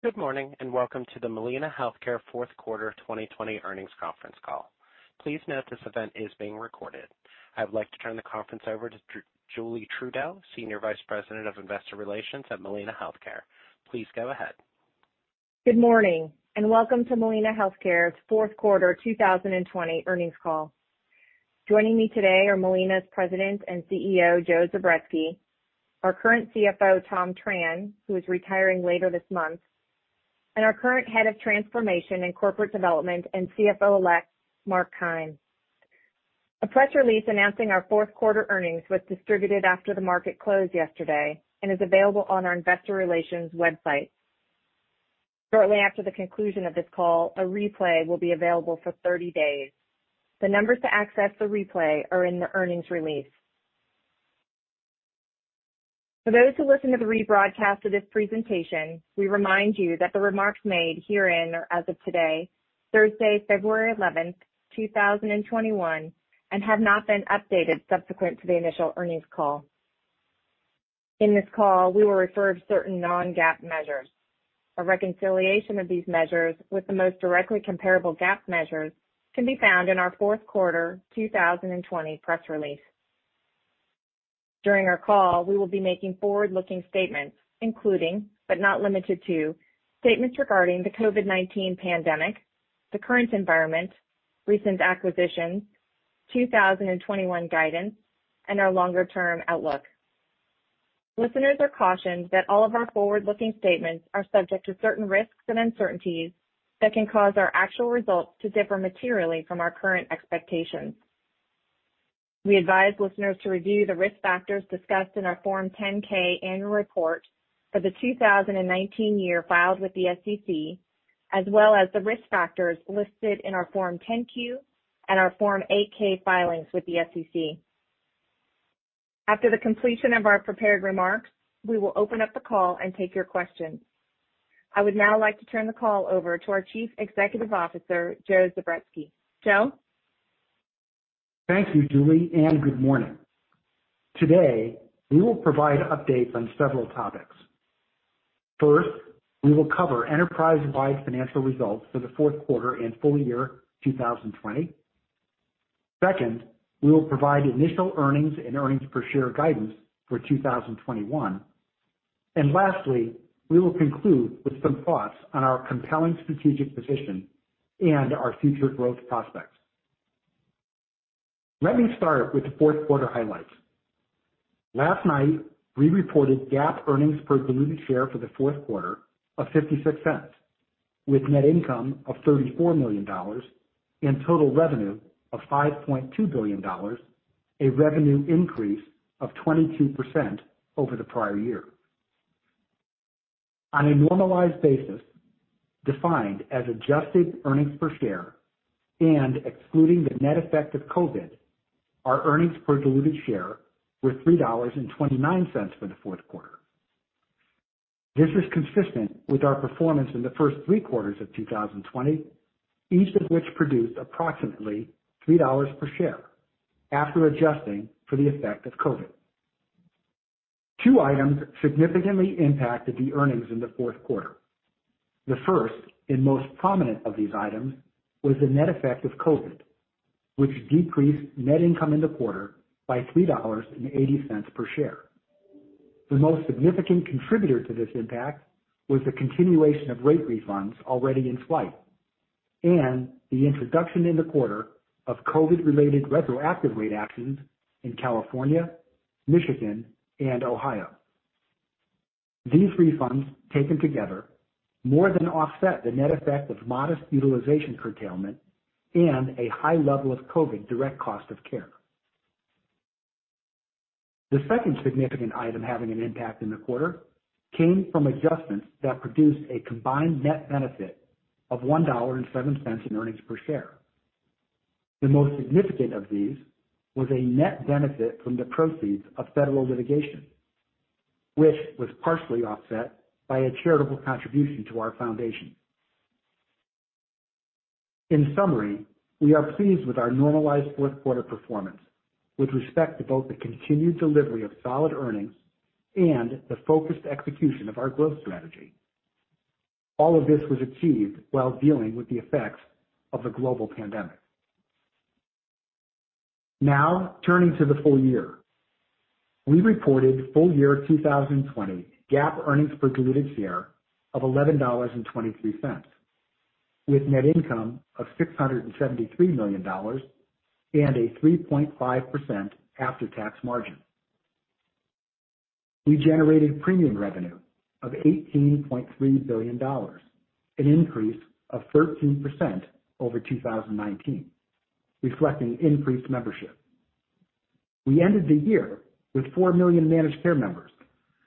Good morning, and welcome to the Molina Healthcare Fourth Quarter 2020 Earnings Conference Call. Please note this event is being recorded. I would like to turn the conference over to Julie Trudell, Senior Vice President of Investor Relations at Molina Healthcare. Please go ahead. Good morning. Welcome to Molina Healthcare's fourth quarter 2020 earnings call. Joining me today are Molina's President and CEO, Joe Zubretsky, our current CFO, Tom Tran, who is retiring later this month, and our current Head of Transformation and Corporate Development, and CFO elect, Mark Keim. A press release announcing our fourth quarter earnings was distributed after the market closed yesterday and is available on our investor relations website. Shortly after the conclusion of this call, a replay will be available for 30 days. The numbers to access the replay are in the earnings release. For those who listen to the rebroadcast of this presentation, we remind you that the remarks made herein are as of today, Thursday, February 11th, 2021, and have not been updated subsequent to the initial earnings call. In this call, we will refer to certain non-GAAP measures. A reconciliation of these measures with the most directly comparable GAAP measures can be found in our fourth quarter 2020 press release. During our call, we will be making forward-looking statements, including, but not limited to, statements regarding the COVID-19 pandemic, the current environment, recent acquisitions, 2021 guidance, and our longer-term outlook. Listeners are cautioned that all of our forward-looking statements are subject to certain risks and uncertainties that can cause our actual results to differ materially from our current expectations. We advise listeners to review the risk factors discussed in our Form 10-K annual report for the 2019 year filed with the SEC, as well as the risk factors listed in our Form 10-Q and our Form 8-K filings with the SEC. After the completion of our prepared remarks, we will open up the call and take your questions. I would now like to turn the call over to our Chief Executive Officer, Joe Zubretsky. Joe? Thank you, Julie, and good morning. Today, we will provide updates on several topics. First, we will cover enterprise-wide financial results for the fourth quarter and full year 2020. Second, we will provide initial earnings and earnings per share guidance for 2021. Lastly, we will conclude with some thoughts on our compelling strategic position and our future growth prospects. Let me start with the fourth quarter highlights. Last night, we reported GAAP earnings per diluted share for the fourth quarter of $0.56, with net income of $34 million and total revenue of $5.2 billion, a revenue increase of 22% over the prior year. On a normalized basis, defined as adjusted earnings per share and excluding the net effect of COVID, our earnings per diluted share were $3.29 for the fourth quarter. This is consistent with our performance in the first three quarters of 2020, each of which produced approximately $3 per share after adjusting for the effect of COVID. Two items significantly impacted the earnings in the fourth quarter. The first, and most prominent of these items, was the net effect of COVID, which decreased net income in the quarter by $3.80 per share. The most significant contributor to this impact was the continuation of rate refunds already in flight and the introduction in the quarter of COVID-related retroactive rate actions in California, Michigan, and Ohio. These refunds, taken together, more than offset the net effect of modest utilization curtailment and a high level of COVID direct cost of care. The second significant item having an impact in the quarter came from adjustments that produced a combined net benefit of $1.07 in earnings per share. The most significant of these was a net benefit from the proceeds of federal litigation, which was partially offset by a charitable contribution to our foundation. In summary, we are pleased with our normalized fourth quarter performance with respect to both the continued delivery of solid earnings and the focused execution of our growth strategy. All of this was achieved while dealing with the effects of the global pandemic. Now, turning to the full year. We reported full year 2020 GAAP earnings per diluted share of $11.23, with net income of $673 million and a 3.5% after-tax margin. We generated premium revenue of $18.3 billion, an increase of 13% over 2019, reflecting increased membership. We ended the year with four million managed care members,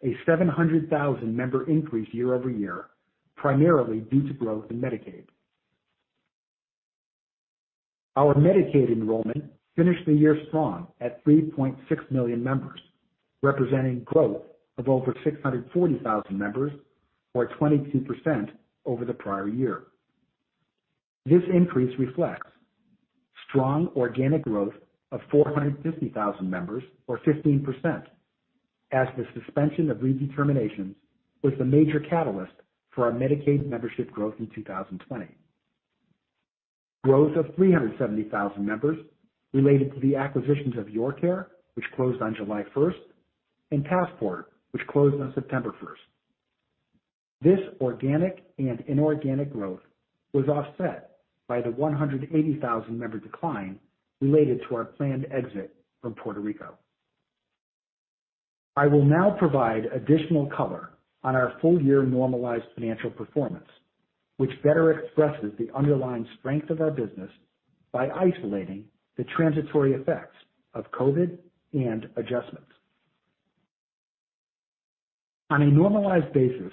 a 700,000 member increase year-over-year, primarily due to growth in Medicaid. Our Medicaid enrollment finished the year strong at 3.6 million members, representing growth of over 640,000 members or 22% over the prior year. This increase reflects strong organic growth of 450,000 members or 15%, as the suspension of redeterminations was the major catalyst for our Medicaid membership growth in 2020. Growth of 370,000 members related to the acquisitions of YourCare, which closed on July 1st, and Passport, which closed on September 1st. This organic and inorganic growth was offset by the 180,000 member decline related to our planned exit from Puerto Rico. I will now provide additional color on our full year normalized financial performance, which better expresses the underlying strength of our business by isolating the transitory effects of COVID and adjustments. On a normalized basis,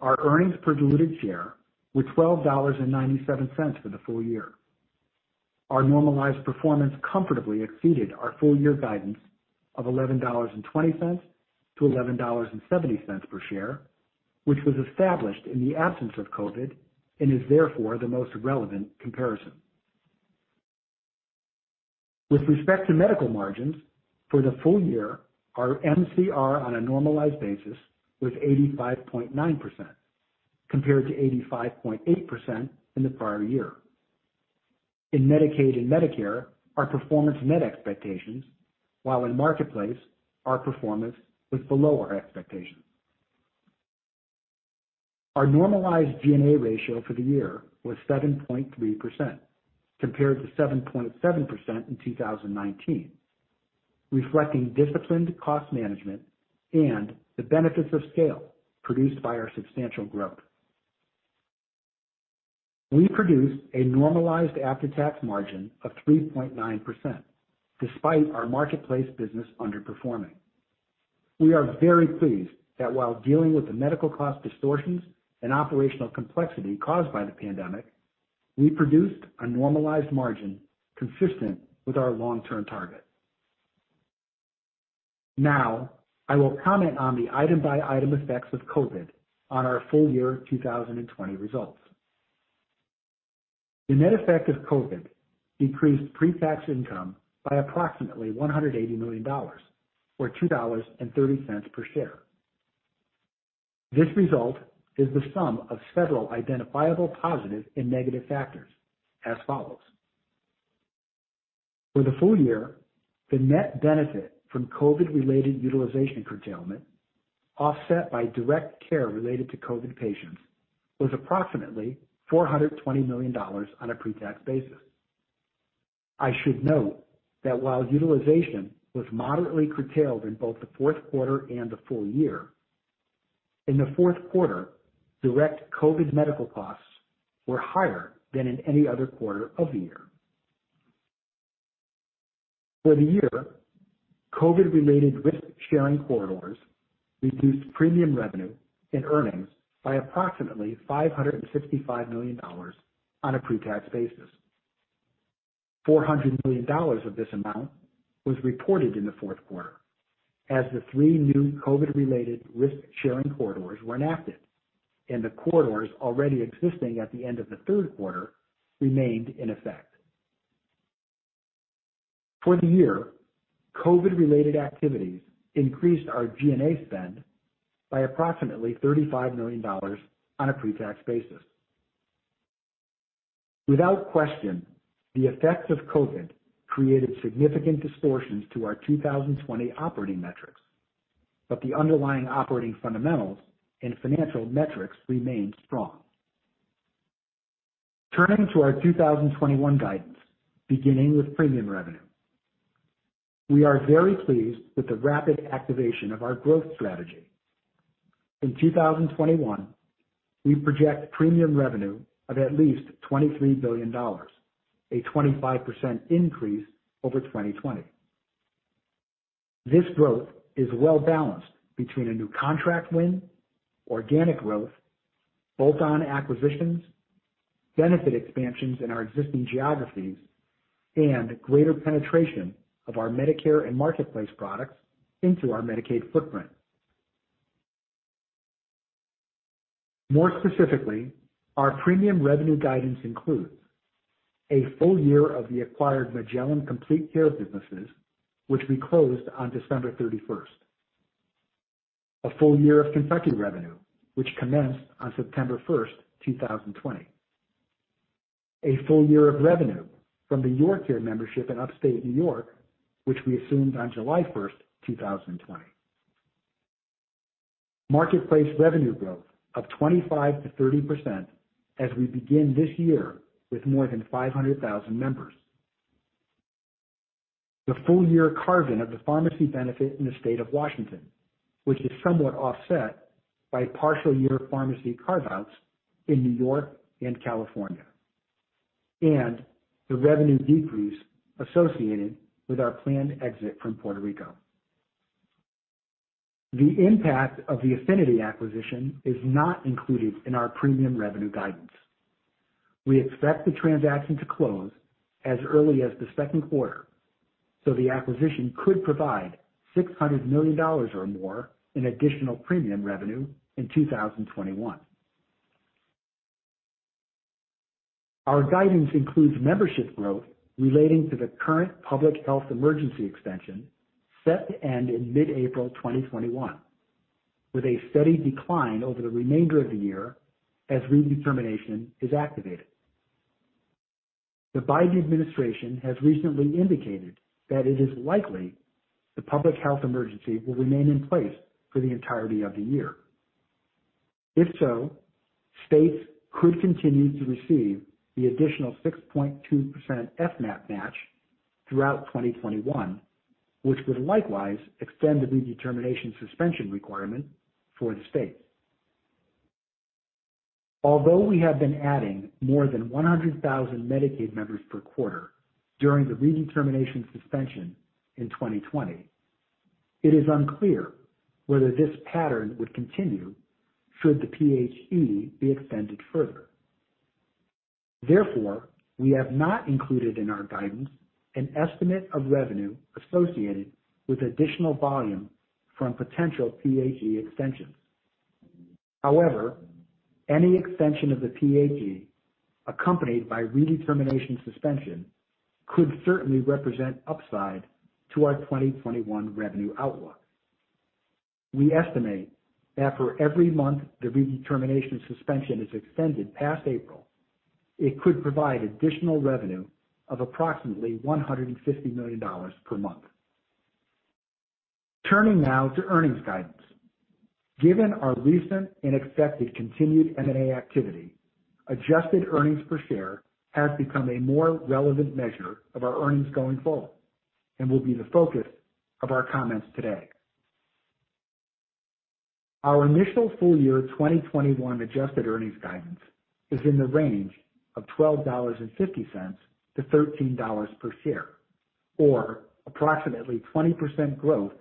our earnings per diluted share were $12.97 for the full year. Our normalized performance comfortably exceeded our full year guidance of $11.20-$11.70 per share, which was established in the absence of COVID, and is therefore the most relevant comparison. With respect to medical margins for the full year, our MCR on a normalized basis was 85.9%, compared to 85.8% in the prior year. In Medicaid and Medicare, our performance met expectations, while in Marketplace our performance was below our expectations. Our normalized G&A ratio for the year was 7.3%, compared to 7.7% in 2019, reflecting disciplined cost management and the benefits of scale produced by our substantial growth. We produced a normalized after-tax margin of 3.9%, despite our Marketplace business underperforming. We are very pleased that while dealing with the medical cost distortions and operational complexity caused by the pandemic, we produced a normalized margin consistent with our long-term target. Now, I will comment on the item by item effects of COVID on our full year 2020 results. The net effect of COVID decreased pre-tax income by approximately $180 million, or $2.30 per share. This result is the sum of several identifiable positive and negative factors as follows. For the full year, the net benefit from COVID related utilization curtailment, offset by direct care related to COVID patients, was approximately $420 million on a pre-tax basis. I should note that while utilization was moderately curtailed in both the fourth quarter and the full year, in the fourth quarter, direct COVID medical costs were higher than in any other quarter of the year. For the year, COVID related risk sharing corridors reduced premium revenue and earnings by approximately $565 million on a pre-tax basis. $400 million of this amount was reported in the fourth quarter, as the three new COVID-related risk sharing corridors were enacted, and the corridors already existing at the end of the third quarter remained in effect. For the year, COVID-related activities increased our G&A spend by approximately $35 million on a pre-tax basis. Without question, the effects of COVID created significant distortions to our 2020 operating metrics. The underlying operating fundamentals and financial metrics remained strong. Turning to our 2021 guidance, beginning with premium revenue. We are very pleased with the rapid activation of our growth strategy. In 2021, we project premium revenue of at least $23 billion, a 25% increase over 2020. This growth is well balanced between a new contract win, organic growth, bolt-on acquisitions, benefit expansions in our existing geographies, and greater penetration of our Medicare and Marketplace products into our Medicaid footprint. More specifically, our premium revenue guidance includes a full year of the acquired Magellan Complete Care businesses, which we closed on December 31st. A full year of Kentucky revenue, which commenced on September 1st, 2020. A full year of revenue from the YourCare membership in upstate New York, which we assumed on July 1st, 2020. Marketplace revenue growth of 25%-30% as we begin this year with more than 500,000 members. The full year carve-in of the pharmacy benefit in the state of Washington, which is somewhat offset by partial year pharmacy carve-outs in New York and California. The revenue decrease associated with our planned exit from Puerto Rico. The impact of the Affinity acquisition is not included in our premium revenue guidance. We expect the transaction to close as early as the second quarter. The acquisition could provide $600 million or more in additional premium revenue in 2021. Our guidance includes membership growth relating to the current Public Health Emergency extension set to end in mid-April 2021, with a steady decline over the remainder of the year as redetermination is activated. The Biden administration has recently indicated that it is likely the Public Health Emergency will remain in place for the entirety of the year. If so, states could continue to receive the additional 6.2% FMAP match throughout 2021, which would likewise extend the redetermination suspension requirement for the state. Although we have been adding more than 100,000 Medicaid members per quarter during the redetermination suspension in 2020, it is unclear whether this pattern would continue should the PHE be extended further. Therefore, we have not included in our guidance an estimate of revenue associated with additional volume from potential PHE extensions. However, any extension of the PHE, accompanied by redetermination suspension, could certainly represent upside to our 2021 revenue outlook. We estimate that for every month the redetermination suspension is extended past April, it could provide additional revenue of approximately $150 million per month. Turning now to earnings guidance. Given our recent and expected continued M&A activity, adjusted earnings per share has become a more relevant measure of our earnings going forward and will be the focus of our comments today. Our initial full year 2021 adjusted earnings guidance is in the range of $12.50-$13 per share, or approximately 20% growth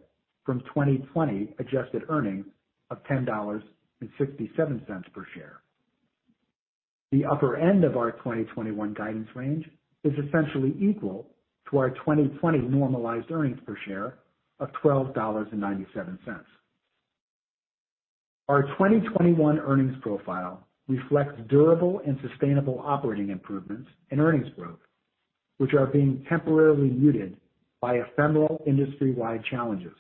from 2020 adjusted earnings of $10.67 per share. The upper end of our 2021 guidance range is essentially equal to our 2020 normalized earnings per share of $12.97. Our 2021 earnings profile reflects durable and sustainable operating improvements and earnings growth, which are being temporarily muted by ephemeral industry-wide challenges.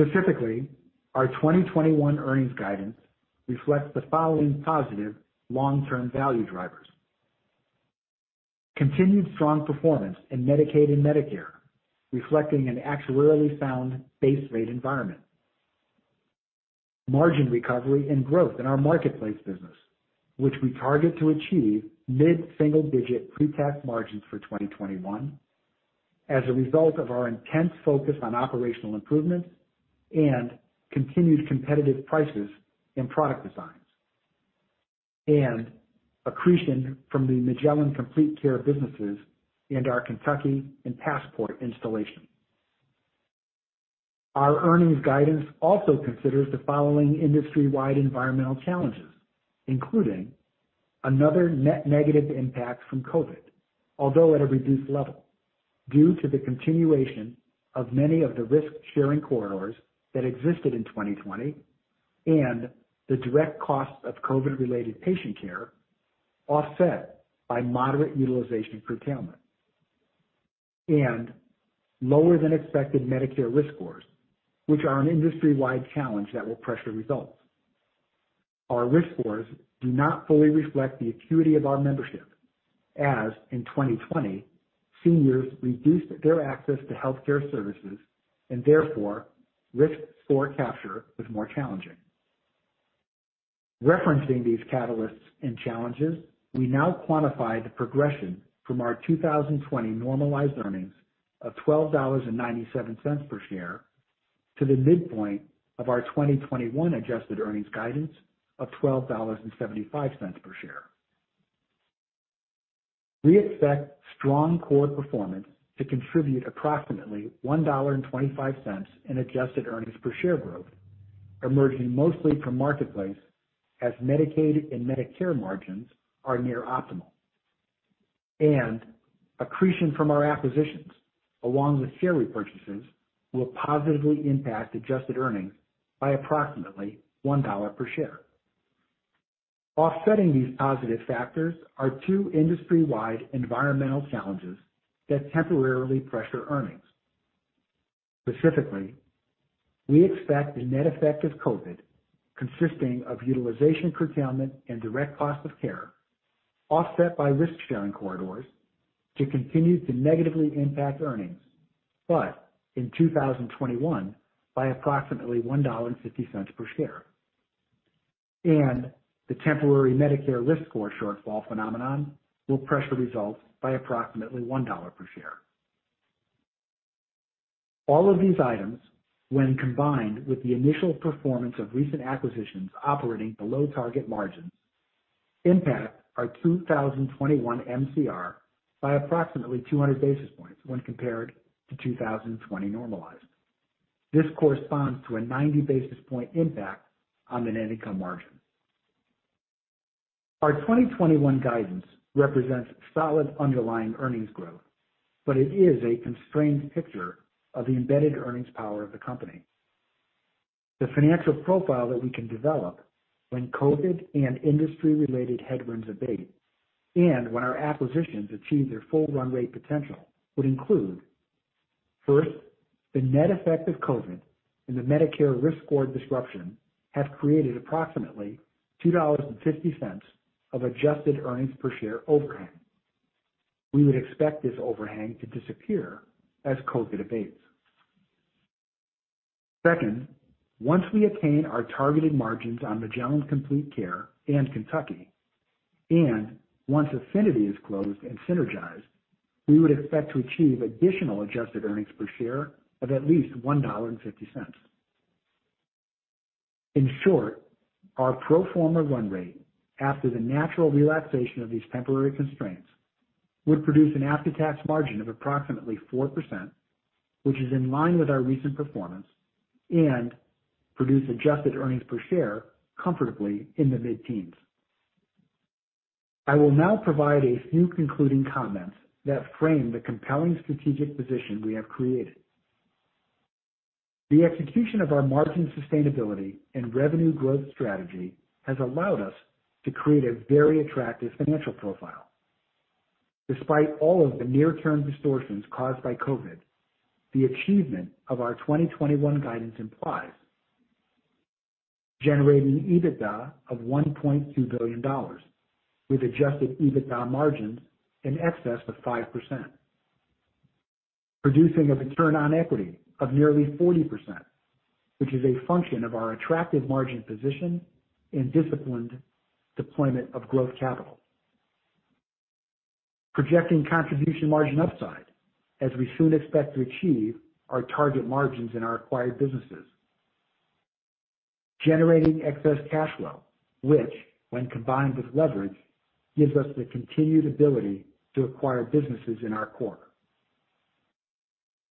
Specifically, our 2021 earnings guidance reflects the following positive long-term value drivers. Continued strong performance in Medicaid and Medicare, reflecting an actuarially sound base rate environment. Margin recovery and growth in our Marketplace business, which we target to achieve mid-single-digit pre-tax margins for 2021 as a result of our intense focus on operational improvements and continued competitive prices in product designs. Accretion from the Magellan Complete Care businesses and our Kentucky and Passport installation. Our earnings guidance also considers the following industry-wide environmental challenges, including another net negative impact from COVID, although at a reduced level, due to the continuation of many of the risk-sharing corridors that existed in 2020 and the direct costs of COVID-related patient care, offset by moderate utilization curtailment. Lower than expected Medicare risk scores, which are an industry-wide challenge that will pressure results. Our risk scores do not fully reflect the acuity of our membership, as in 2020, seniors reduced their access to healthcare services, and therefore, risk score capture was more challenging. Referencing these catalysts and challenges, we now quantify the progression from our 2020 normalized earnings of $12.97 per share to the midpoint of our 2021 adjusted earnings guidance of $12.75 per share. We expect strong core performance to contribute approximately $1.25 in adjusted earnings per share growth, emerging mostly from Marketplace, as Medicaid and Medicare margins are near optimal. Accretion from our acquisitions, along with share repurchases, will positively impact adjusted earnings by approximately $1 per share. Offsetting these positive factors are two industry-wide environmental challenges that temporarily pressure earnings. Specifically, we expect the net effect of COVID, consisting of utilization curtailment and direct cost of care, offset by risk-sharing corridors, to continue to negatively impact earnings, but in 2021, by approximately $1.50 per share. The temporary Medicare risk score shortfall phenomenon will pressure results by approximately $1 per share. All of these items, when combined with the initial performance of recent acquisitions operating below target margins, impact our 2021 MCR by approximately 200 basis points when compared to 2020 normalized. This corresponds to a 90 basis point impact on the net income margin. Our 2021 guidance represents solid underlying earnings growth, but it is a constrained picture of the embedded earnings power of the company. The financial profile that we can develop when COVID and industry-related headwinds abate, and when our acquisitions achieve their full run rate potential would include, first, the net effect of COVID and the Medicare risk score disruption have created approximately $2.50 of adjusted earnings per share overhang. We would expect this overhang to disappear as COVID abates. Second, once we attain our targeted margins on Magellan Complete Care and Kentucky, and once Affinity is closed and synergized, we would expect to achieve additional adjusted earnings per share of at least $1.50. In short, our pro forma run rate after the natural relaxation of these temporary constraints would produce an after-tax margin of approximately 4%, which is in line with our recent performance, and produce adjusted earnings per share comfortably in the mid-teens. I will now provide a few concluding comments that frame the compelling strategic position we have created. The execution of our margin sustainability and revenue growth strategy has allowed us to create a very attractive financial profile. Despite all of the near-term distortions caused by COVID, the achievement of our 2021 guidance implies generating EBITDA of $1.2 billion with adjusted EBITDA margins in excess of 5%. Producing a return on equity of nearly 40%, which is a function of our attractive margin position and disciplined deployment of growth capital. Projecting contribution margin upside as we soon expect to achieve our target margins in our acquired businesses. Generating excess cash flow, which when combined with leverage, gives us the continued ability to acquire businesses in our core.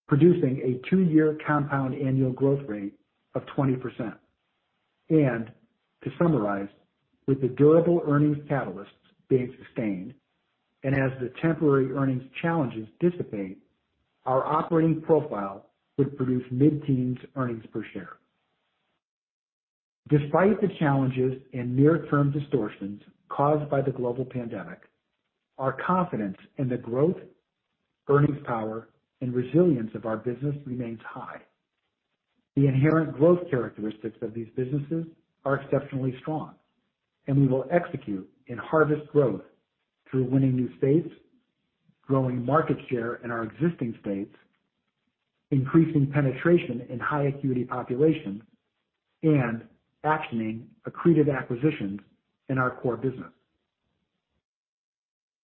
Producing a two-year compound annual growth rate of 20%. To summarize, with the durable earnings catalysts being sustained and as the temporary earnings challenges dissipate, our operating profile would produce mid-teens earnings per share. Despite the challenges and near-term distortions caused by the global pandemic, our confidence in the growth, earnings power, and resilience of our business remains high. The inherent growth characteristics of these businesses are exceptionally strong, and we will execute and harvest growth through winning new states, growing market share in our existing states, increasing penetration in high acuity populations, and actioning accretive acquisitions in our core business.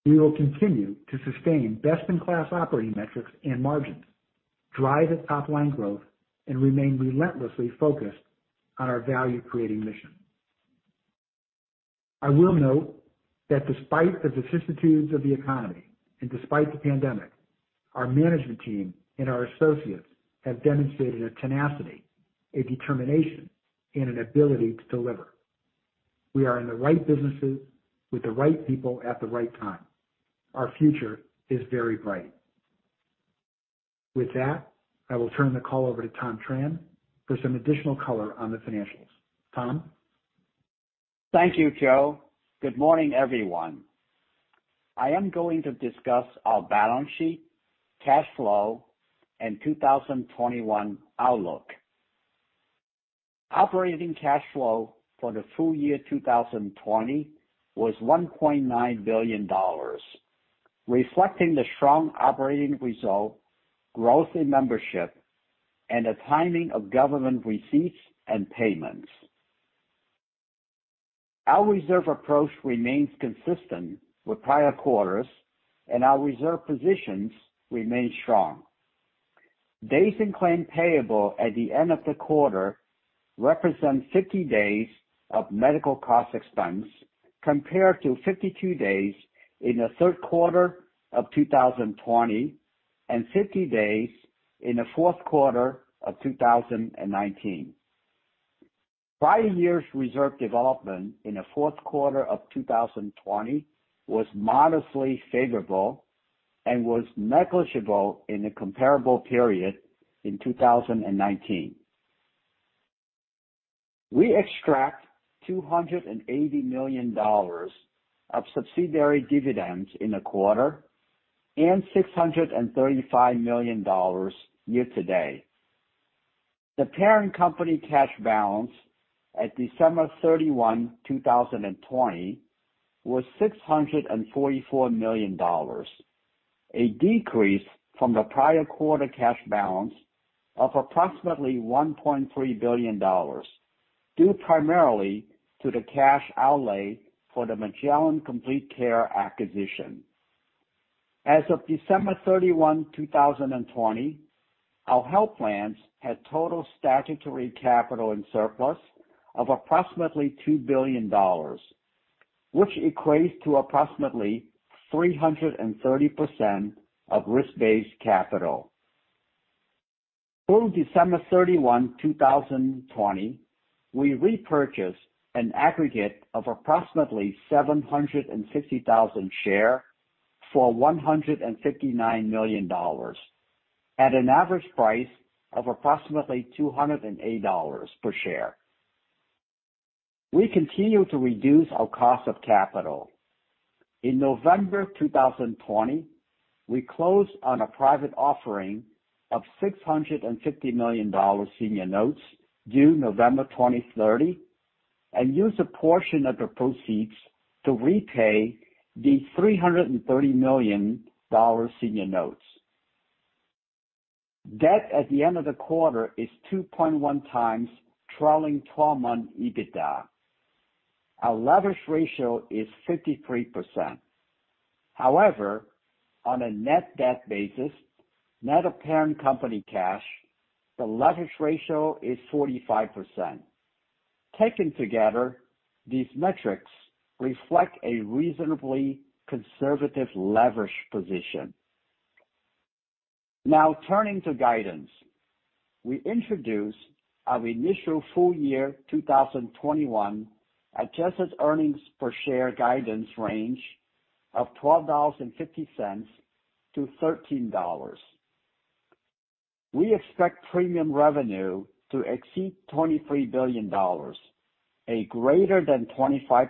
We will continue to sustain best-in-class operating metrics and margins, drive top line growth, and remain relentlessly focused on our value-creating mission. I will note that despite the vicissitudes of the economy and despite the pandemic, our management team and our associates have demonstrated a tenacity, a determination, and an ability to deliver. We are in the right businesses with the right people at the right time. Our future is very bright. With that, I will turn the call over to Tom Tran for some additional color on the financials. Tom? Thank you, Joe. Good morning, everyone. I am going to discuss our balance sheet, cash flow, and 2021 outlook. Operating cash flow for the full year 2020 was $1.9 billion, reflecting the strong operating result, growth in membership, and the timing of government receipts and payments. Our reserve approach remains consistent with prior quarters, and our reserve positions remain strong. Days in claim payable at the end of the quarter represent 50 days of medical cost expense, compared to 52 days in the third quarter of 2020 and 50 days in the fourth quarter of 2019. Prior years reserve development in the fourth quarter of 2020 was modestly favorable and was negligible in the comparable period in 2019. We extract $280 million of subsidiary dividends in the quarter and $635 million year to date. The parent company cash balance at December 31, 2020, was $644 million, a decrease from the prior quarter cash balance of approximately $1.3 billion, due primarily to the cash outlay for the Magellan Complete Care acquisition. As of December 31, 2020, our health plans had total statutory capital and surplus of approximately $2 billion, which equates to approximately 330% of risk-based capital. Through December 31, 2020, we repurchased an aggregate of approximately 760,000 share for $159 million, at an average price of approximately $208 per share. We continue to reduce our cost of capital. In November 2020, we closed on a private offering of $650 million senior notes due November 2030, and used a portion of the proceeds to repay the $330 million senior notes. Debt at the end of the quarter is 2.1x trailing 12-month EBITDA. Our leverage ratio is 53%. However, on a net debt basis, net of parent company cash, the leverage ratio is 45%. Taken together, these metrics reflect a reasonably conservative leverage position. Turning to guidance. We introduce our initial full year 2021 adjusted earnings per share guidance range of $12.50 to $13. We expect premium revenue to exceed $23 billion, a greater than 25%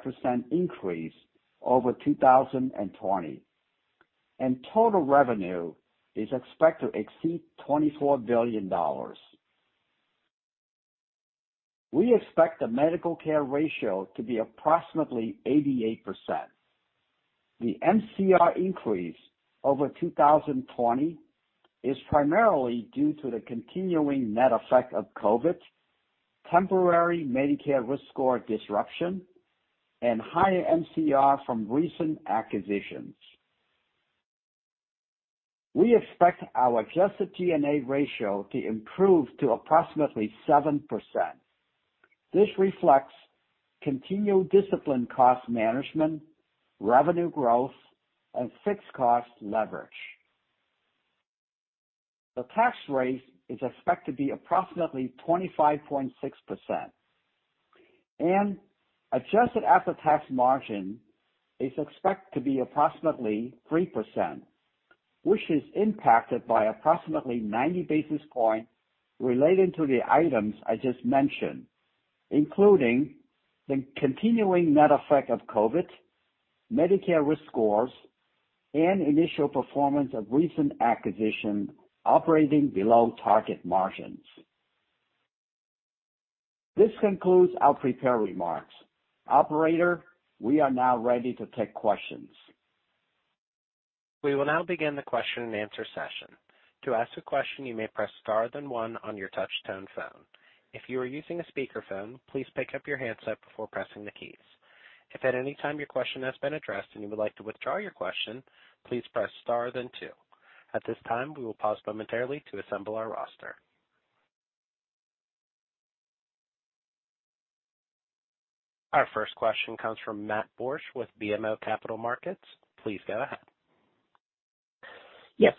increase over 2020. Total revenue is expected to exceed $24 billion. We expect the medical care ratio to be approximately 88%. The MCR increase over 2020 is primarily due to the continuing net effect of COVID, temporary Medicare risk score disruption, and higher MCR from recent acquisitions. We expect our adjusted G&A ratio to improve to approximately 7%. This reflects continued disciplined cost management, revenue growth, and fixed cost leverage. The tax rate is expected to be approximately 25.6%. Adjusted after-tax margin is expected to be approximately 3%, which is impacted by approximately 90 basis points relating to the items I just mentioned, including the continuing net effect of COVID, Medicare risk scores, and initial performance of recent acquisition operating below target margins. This concludes our prepared remarks. Operator, we are now ready to take questions. We will now begin the question and answer session. To ask a question, you may press star then one on your touch-tone phone. If you are using a speakerphone, please pick up your handset before pressing the keys. If at any time your question has been addressed and you would like to withdraw your question, please press star then two. At this time, we will pause momentarily to assemble our roster. Our first question comes from Matt Borsch with BMO Capital Markets. Please go ahead. Yes.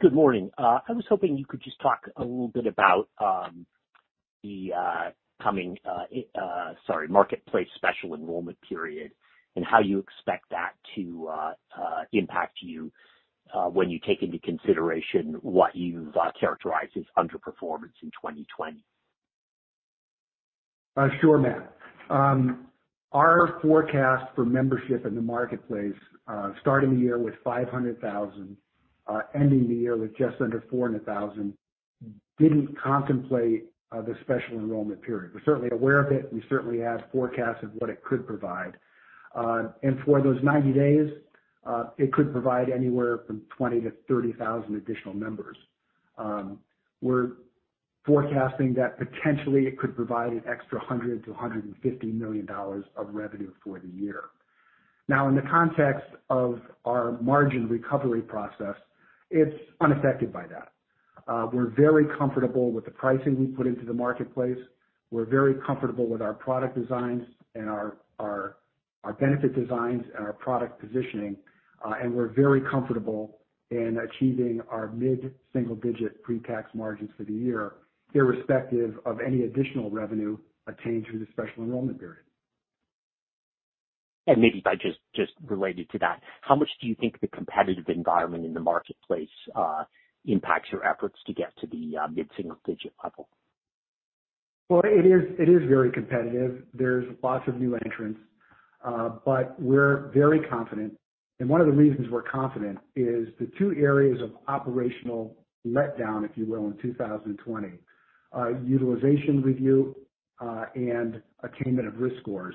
Good morning. I was hoping you could just talk a little bit about the coming, sorry, Marketplace special enrollment period, and how you expect that to impact you, when you take into consideration what you've characterized as underperformance in 2020. Sure, Matt. Our forecast for membership in the Marketplace, starting the year with 500,000, ending the year with just under 400,000, didn't contemplate the special enrollment period. We're certainly aware of it. We certainly have forecasts of what it could provide. For those 90 days, it could provide anywhere from 20,000-30,000 additional members. We're forecasting that potentially it could provide an extra $100 million-$150 million of revenue for the year. Now, in the context of our margin recovery process, it's unaffected by that. We're very comfortable with the pricing we put into the Marketplace. We're very comfortable with our product designs and our benefit designs and our product positioning. We're very comfortable in achieving our mid-single-digit pre-tax margins for the year, irrespective of any additional revenue attained through the special enrollment period. Maybe just related to that, how much do you think the competitive environment in the Marketplace impacts your efforts to get to the mid-single digit level? It is very competitive. There's lots of new entrants. We're very confident, and one of the reasons we're confident is the two areas of operational letdown, if you will, in 2020, utilization review, and attainment of risk scores.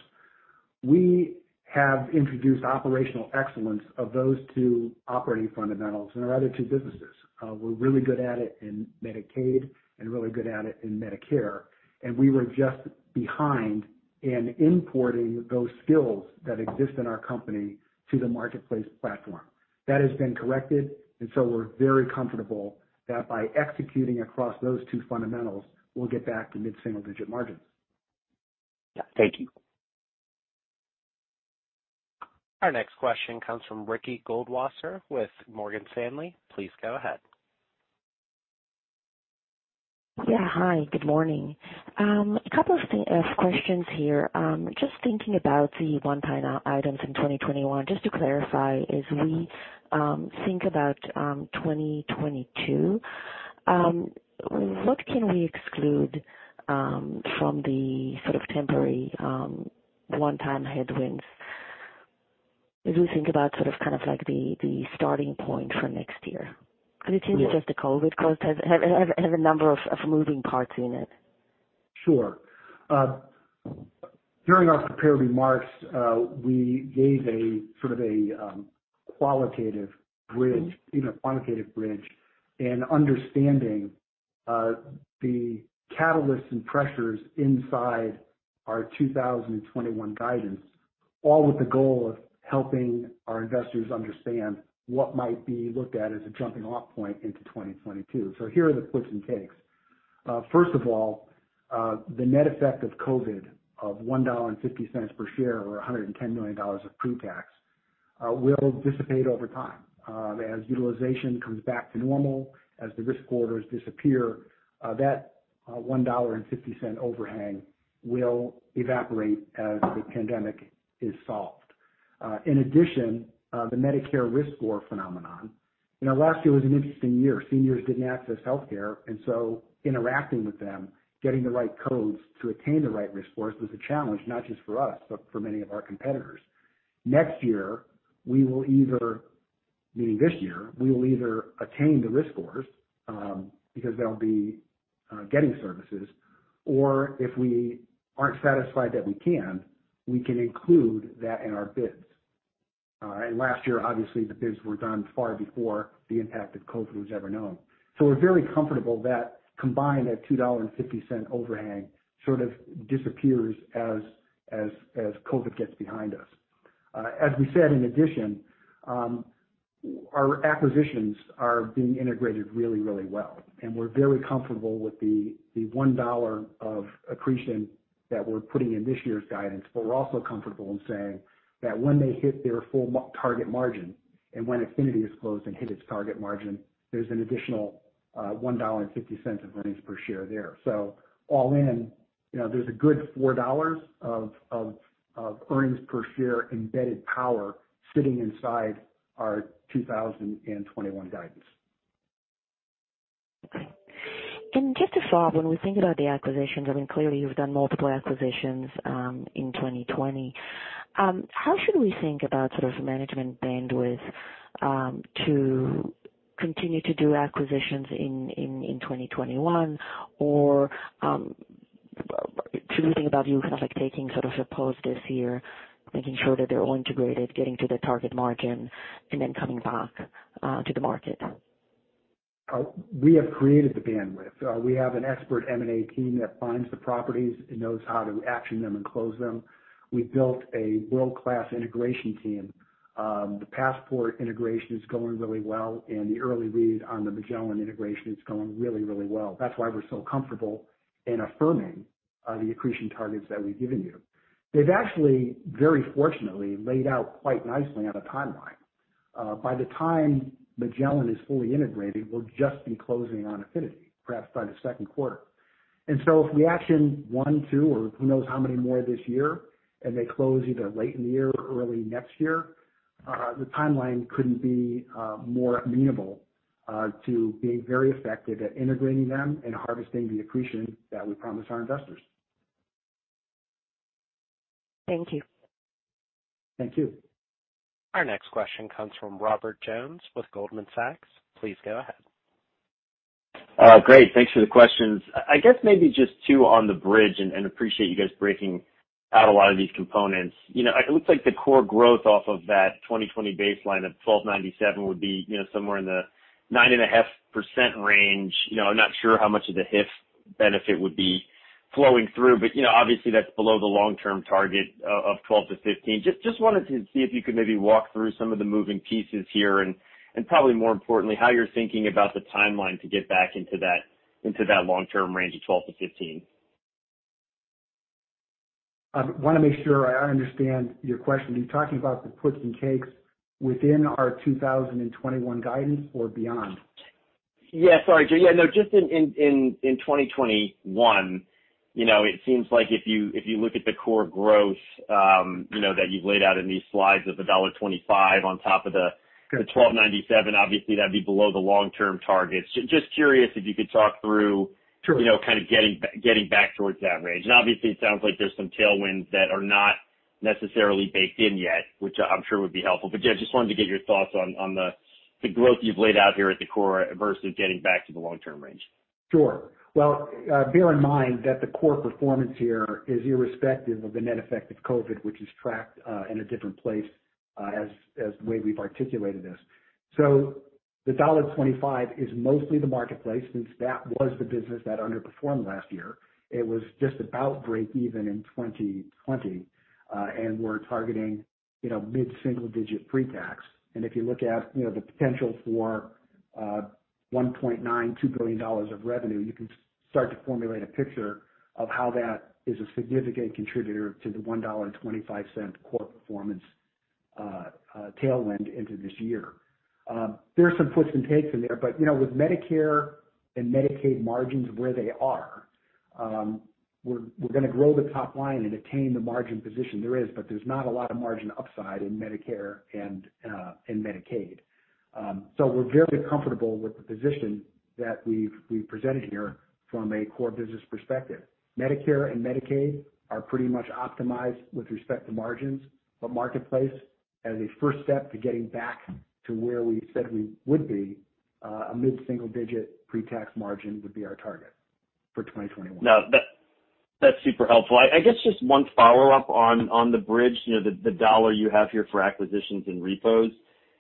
We have introduced operational excellence of those two operating fundamentals in our other two businesses. We're really good at it in Medicaid and really good at it in Medicare, and we were just behind in importing those skills that exist in our company to the Marketplace platform. That has been corrected, we're very comfortable that by executing across those two fundamentals, we'll get back to mid-single digit margins. Yeah. Thank you. Our next question comes from Ricky Goldwasser with Morgan Stanley. Please go ahead. Yeah. Hi, good morning. A couple of questions here. Just thinking about the one-time items in 2021, just to clarify, as we think about 2022, what can we exclude from the sort of temporary one-time headwinds as we think about the starting point for next year? It seems just the COVID cost has a number of moving parts in it. Sure. During our prepared remarks, we gave a sort of a qualitative bridge in understanding the catalysts and pressures inside our 2021 guidance, all with the goal of helping our investors understand what might be looked at as a jumping off point into 2022. Here are the puts and takes. First of all, the net effect of COVID of $1.50 per share or $110 million of pre-tax will dissipate over time. As utilization comes back to normal, as the risk orders disappear, that $1.50 overhang will evaporate as the pandemic is solved. In addition, the Medicare risk score phenomenon. Last year was an interesting year. Seniors didn't access healthcare, interacting with them, getting the right codes to attain the right risk scores was a challenge, not just for us, but for many of our competitors. Next year, we will either attain the risk scores, because they'll be getting services, or if we aren't satisfied that we can, we can include that in our bids. Last year, obviously, the bids were done far before the impact of COVID was ever known. We're very comfortable that combined, that $2.50 overhang sort of disappears as COVID gets behind us. As we said, in addition, our acquisitions are being integrated really well, and we're very comfortable with the $1 of accretion that we're putting in this year's guidance. We're also comfortable in saying that when they hit their full target margin and when Affinity is closed and hit its target margin, there's an additional $1.50 of earnings per share there. All in, there's a good $4 of earnings per share embedded power sitting inside our 2021 guidance. Just to follow up, when we think about the acquisitions, I mean, clearly, you've done multiple acquisitions in 2020. How should we think about sort of management bandwidth to continue to do acquisitions in 2021? Should we think about you taking a pause this year, making sure that they're all integrated, getting to the target margin, and then coming back to the market? We have created the bandwidth. We have an expert M&A team that finds the properties and knows how to action them and close them. We built a world-class integration team. The Passport integration is going really well, and the early read on the Magellan integration is going really, really well. That's why we're so comfortable in affirming the accretion targets that we've given you. They've actually, very fortunately, laid out quite nicely on a timeline. By the time Magellan is fully integrated, we'll just be closing on Affinity, perhaps by the second quarter. If we action one, two, or who knows how many more this year, and they close either late in the year or early next year, the timeline couldn't be more amenable to being very effective at integrating them and harvesting the accretion that we promise our investors. Thank you. Thank you. Our next question comes from Robert Jones with Goldman Sachs. Please go ahead. Great. Thanks for the questions. I guess maybe just two on the bridge, and appreciate you guys breaking out a lot of these components. It looks like the core growth off of that 2020 baseline of $12.97 would be somewhere in the 9.5% range. I'm not sure how much of the HIF benefit would be flowing through, but obviously that's below the long-term target of 12%-15%. Just wanted to see if you could maybe walk through some of the moving pieces here and, probably more importantly, how you're thinking about the timeline to get back into that long-term range of 12%-15%. I want to make sure I understand your question. Are you talking about the puts and takes within our 2021 guidance or beyond? Yeah. Sorry, Joe. Just in 2021, it seems like if you look at the core growth that you've laid out in these slides of $1.25 on top of- Sure. $12.97, obviously that'd be below the long-term targets. Just curious if you could talk through? Sure. Kind of getting back towards that range. Obviously it sounds like there's some tailwinds that are not necessarily baked in yet, which I'm sure would be helpful. Yeah, just wanted to get your thoughts on the growth you've laid out here at the core versus getting back to the long-term range. Sure. Well, bear in mind that the core performance here is irrespective of the net effect of COVID, which is tracked in a different place as the way we've articulated this. The $1.25 is mostly the Marketplace, since that was the business that underperformed last year. It was just about break even in 2020. We're targeting mid-single digit pre-tax. If you look at the potential for $1.9 billion-$2 billion of revenue, you can start to formulate a picture of how that is a significant contributor to the $1.25 core performance tailwind into this year. There are some puts and takes in there, but with Medicare and Medicaid margins where they are, we're going to grow the top line and attain the margin position there is, but there's not a lot of margin upside in Medicare and Medicaid. We're very comfortable with the position that we've presented here from a core business perspective. Medicare and Medicaid are pretty much optimized with respect to margins, but Marketplace, as a first step to getting back to where we said we would be, a mid-single-digit pre-tax margin would be our target for 2021. No, that's super helpful. I guess just one follow-up on the bridge, the $1 you have here for acquisitions and repos.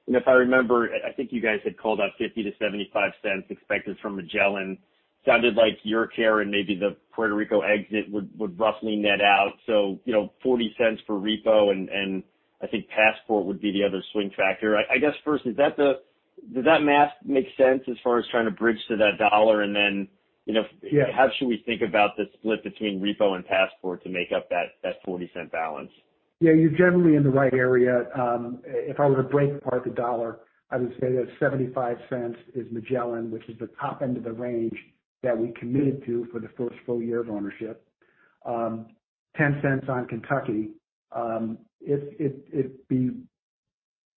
If I remember, I think you guys had called out $0.50-$0.75 expected from Magellan. Sounded like YourCare and maybe the Puerto Rico exit would roughly net out. $0.40 for repo, and I think Passport would be the other swing factor. I guess first, does that math make sense as far as trying to bridge to that $1? Yeah. How should we think about the split between repo and Passport to make up that $0.40 balance? Yeah, you're generally in the right area. If I were to break apart the $1, I would say that $0.75 is Magellan, which is the top end of the range that we committed to for the first full year of ownership. $0.10 on Kentucky. It'd be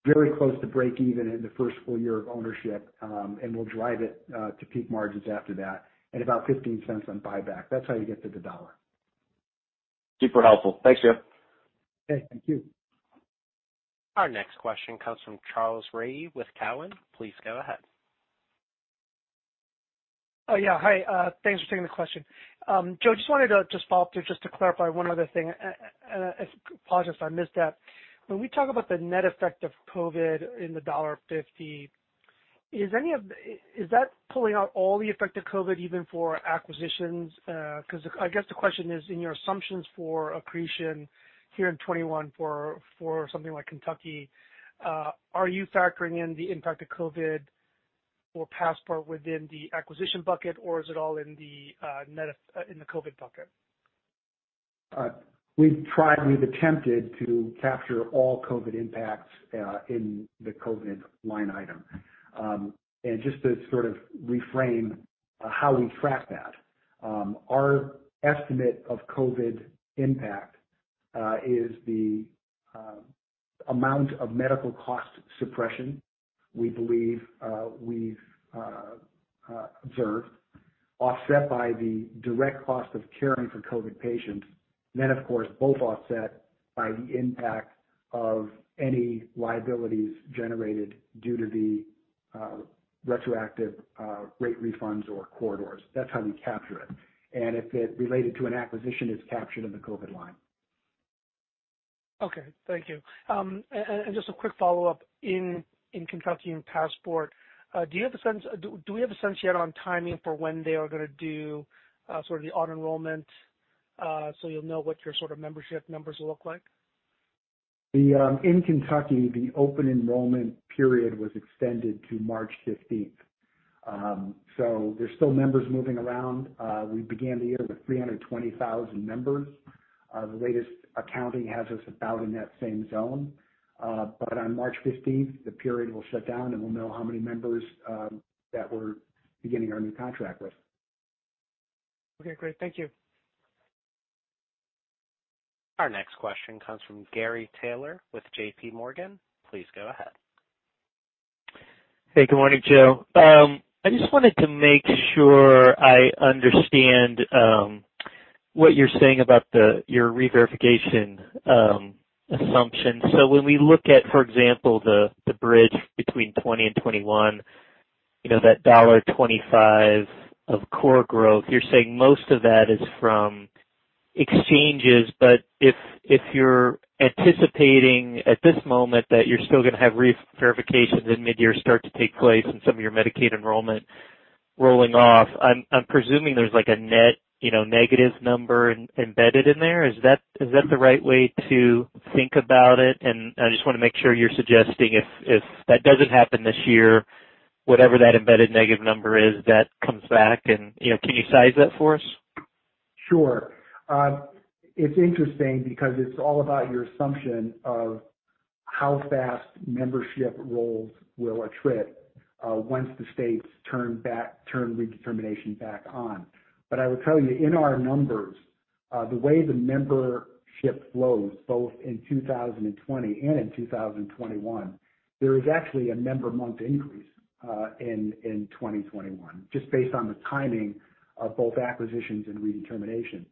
very close to break even in the first full year of ownership, and we'll drive it to peak margins after that. About $0.15 on buyback. That's how you get to the $1. Super helpful. Thanks, Joe. Okay, thank you. Our next question comes from Charles Rhyee with Cowen. Please go ahead. Oh yeah, hi. Thanks for taking the question. Joe, just wanted to follow up, just to clarify one other thing. I apologize if I missed that. When we talk about the net effect of COVID in the $1.50, is that pulling out all the effect of COVID, even for acquisitions? I guess the question is, in your assumptions for accretion here in 2021 for something like Kentucky, are you factoring in the impact of COVID for Passport within the acquisition bucket, or is it all in the COVID bucket? We've attempted to capture all COVID impacts in the COVID line item. Just to sort of reframe how we track that. Our estimate of COVID impact is the amount of medical cost suppression we believe we've observed, offset by the direct cost of caring for COVID patients. Then, of course, both offset by the impact of any liabilities generated due to the retroactive rate refunds or corridors. That's how we capture it. If it related to an acquisition, it's captured in the COVID line. Okay. Thank you. Just a quick follow-up. In Kentucky and Passport, do we have a sense yet on timing for when they are going to do sort of the auto-enrollment, so you'll know what your sort of membership numbers look like? In Kentucky, the open enrollment period was extended to March 15th. There's still members moving around. We began the year with 320,000 members. The latest accounting has us about in that same zone. On March 15th, the period will shut down, and we'll know how many members that we're beginning our new contract with. Okay, great. Thank you. Our next question comes from Gary Taylor with JPMorgan. Please go ahead. Hey, good morning, Joe. I just wanted to make sure I understand what you're saying about your reverification assumption. When we look at, for example, the bridge between 20 and 21, that $1.25 of core growth, you're saying most of that is from exchanges. If you're anticipating at this moment that you're still going to have reverifications in mid-year start to take place and some of your Medicaid enrollment rolling off, I'm presuming there's a net negative number embedded in there. Is that the right way to think about it? I just want to make sure you're suggesting if that doesn't happen this year, whatever that embedded negative number is, that comes back. Can you size that for us? Sure. It's interesting because it's all about your assumption of how fast membership rolls will attrit once the states turn redetermination back on. I will tell you, in our numbers, the way the membership flows, both in 2020 and in 2021, there is actually a member month increase in 2021, just based on the timing of both acquisitions and redetermination.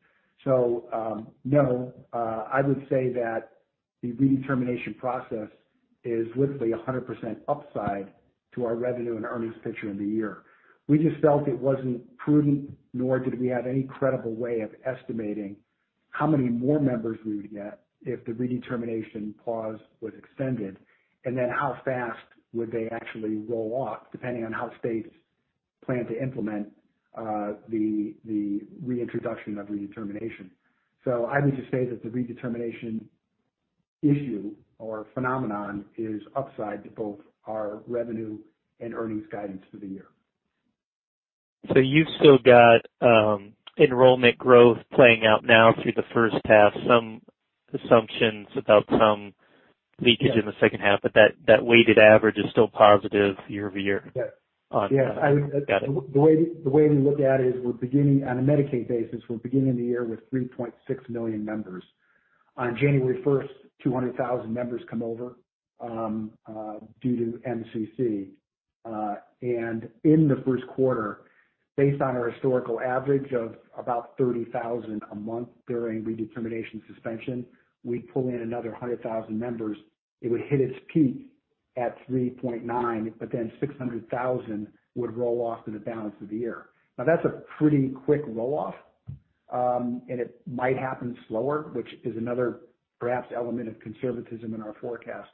No, I would say that the redetermination process is literally 100% upside to our revenue and earnings picture in the year. We just felt it wasn't prudent, nor did we have any credible way of estimating how many more members we would get if the redetermination pause was extended, and then how fast would they actually roll off, depending on how states plan to implement the reintroduction of redetermination. I would just say that the redetermination issue or phenomenon is upside to both our revenue and earnings guidance for the year. You've still got enrollment growth playing out now through the first half, some assumptions about some leakage in the second half, but that weighted average is still positive year-over-year? Yes. Got it. The way we look at it is, on a Medicaid basis, we're beginning the year with 3.6 million members. On January 1st, 200,000 members come over due to MCC. In the first quarter, based on our historical average of about 30,000 a month during redetermination suspension, we pull in another 100,000 members. It would hit its peak at 3.9 million, 600,000 would roll off in the balance of the year. That's a pretty quick roll-off, and it might happen slower, which is another perhaps element of conservatism in our forecast.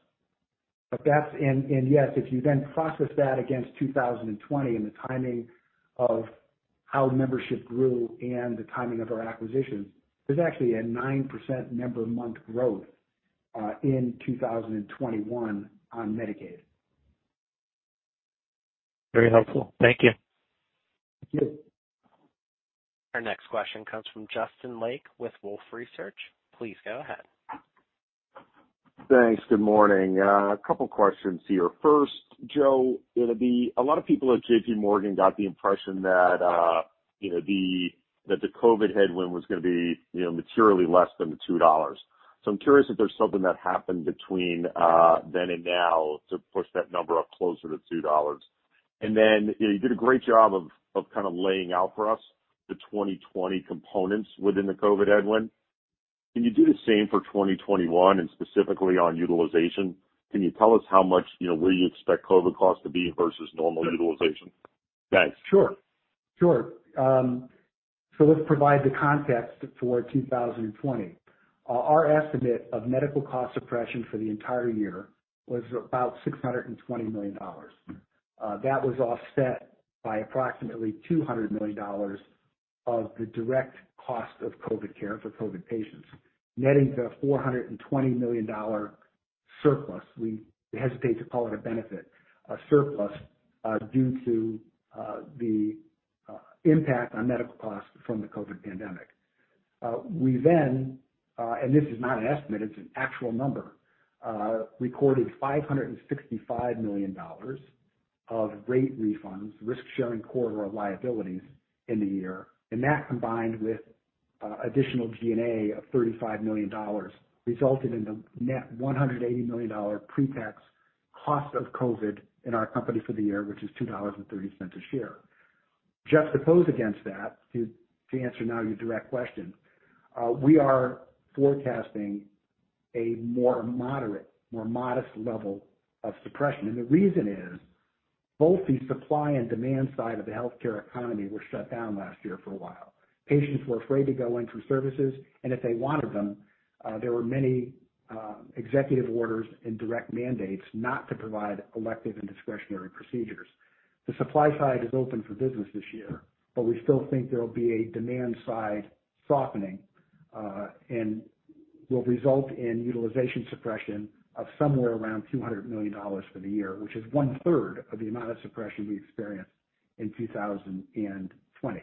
Yes, if you then process that against 2020 and the timing of how membership grew and the timing of our acquisitions, there's actually a 9% member month growth in 2021 on Medicaid. Very helpful. Thank you. Thank you. Our next question comes from Justin Lake with Wolfe Research. Please go ahead. Thanks. Good morning. A couple questions here. First, Joe, a lot of people at JPMorgan got the impression that the COVID headwind was going to be materially less than the $2. I'm curious if there's something that happened between then and now to push that number up closer to $2. You did a great job of kind of laying out for us the 2020 components within the COVID headwind. Can you do the same for 2021 and specifically on utilization? Can you tell us where you expect COVID costs to be versus normal utilization? Thanks. Sure. Let's provide the context for 2020. Our estimate of medical cost suppression for the entire year was about $620 million. That was offset by approximately $200 million of the direct cost of COVID care for COVID patients, netting to a $420 million surplus. We hesitate to call it a benefit, a surplus, due to the impact on medical costs from the COVID pandemic. We then, this is not an estimate, it's an actual number, recorded $565 million of rate refunds, risk-sharing corridor liabilities in the year. That, combined with additional G&A of $35 million, resulted in the net $180 million pre-tax cost of COVID in our company for the year, which is $2.30 a share. Juxtaposed against that, to answer now your direct question, we are forecasting a more moderate, more modest level of suppression. The reason is both the supply and demand side of the healthcare economy were shut down last year for a while. Patients were afraid to go in for services, and if they wanted them, there were many executive orders and direct mandates not to provide elective and discretionary procedures. The supply side is open for business this year, but we still think there'll be a demand-side softening, and will result in utilization suppression of somewhere around $200 million for the year, which is one-third of the amount of suppression we experienced in 2020.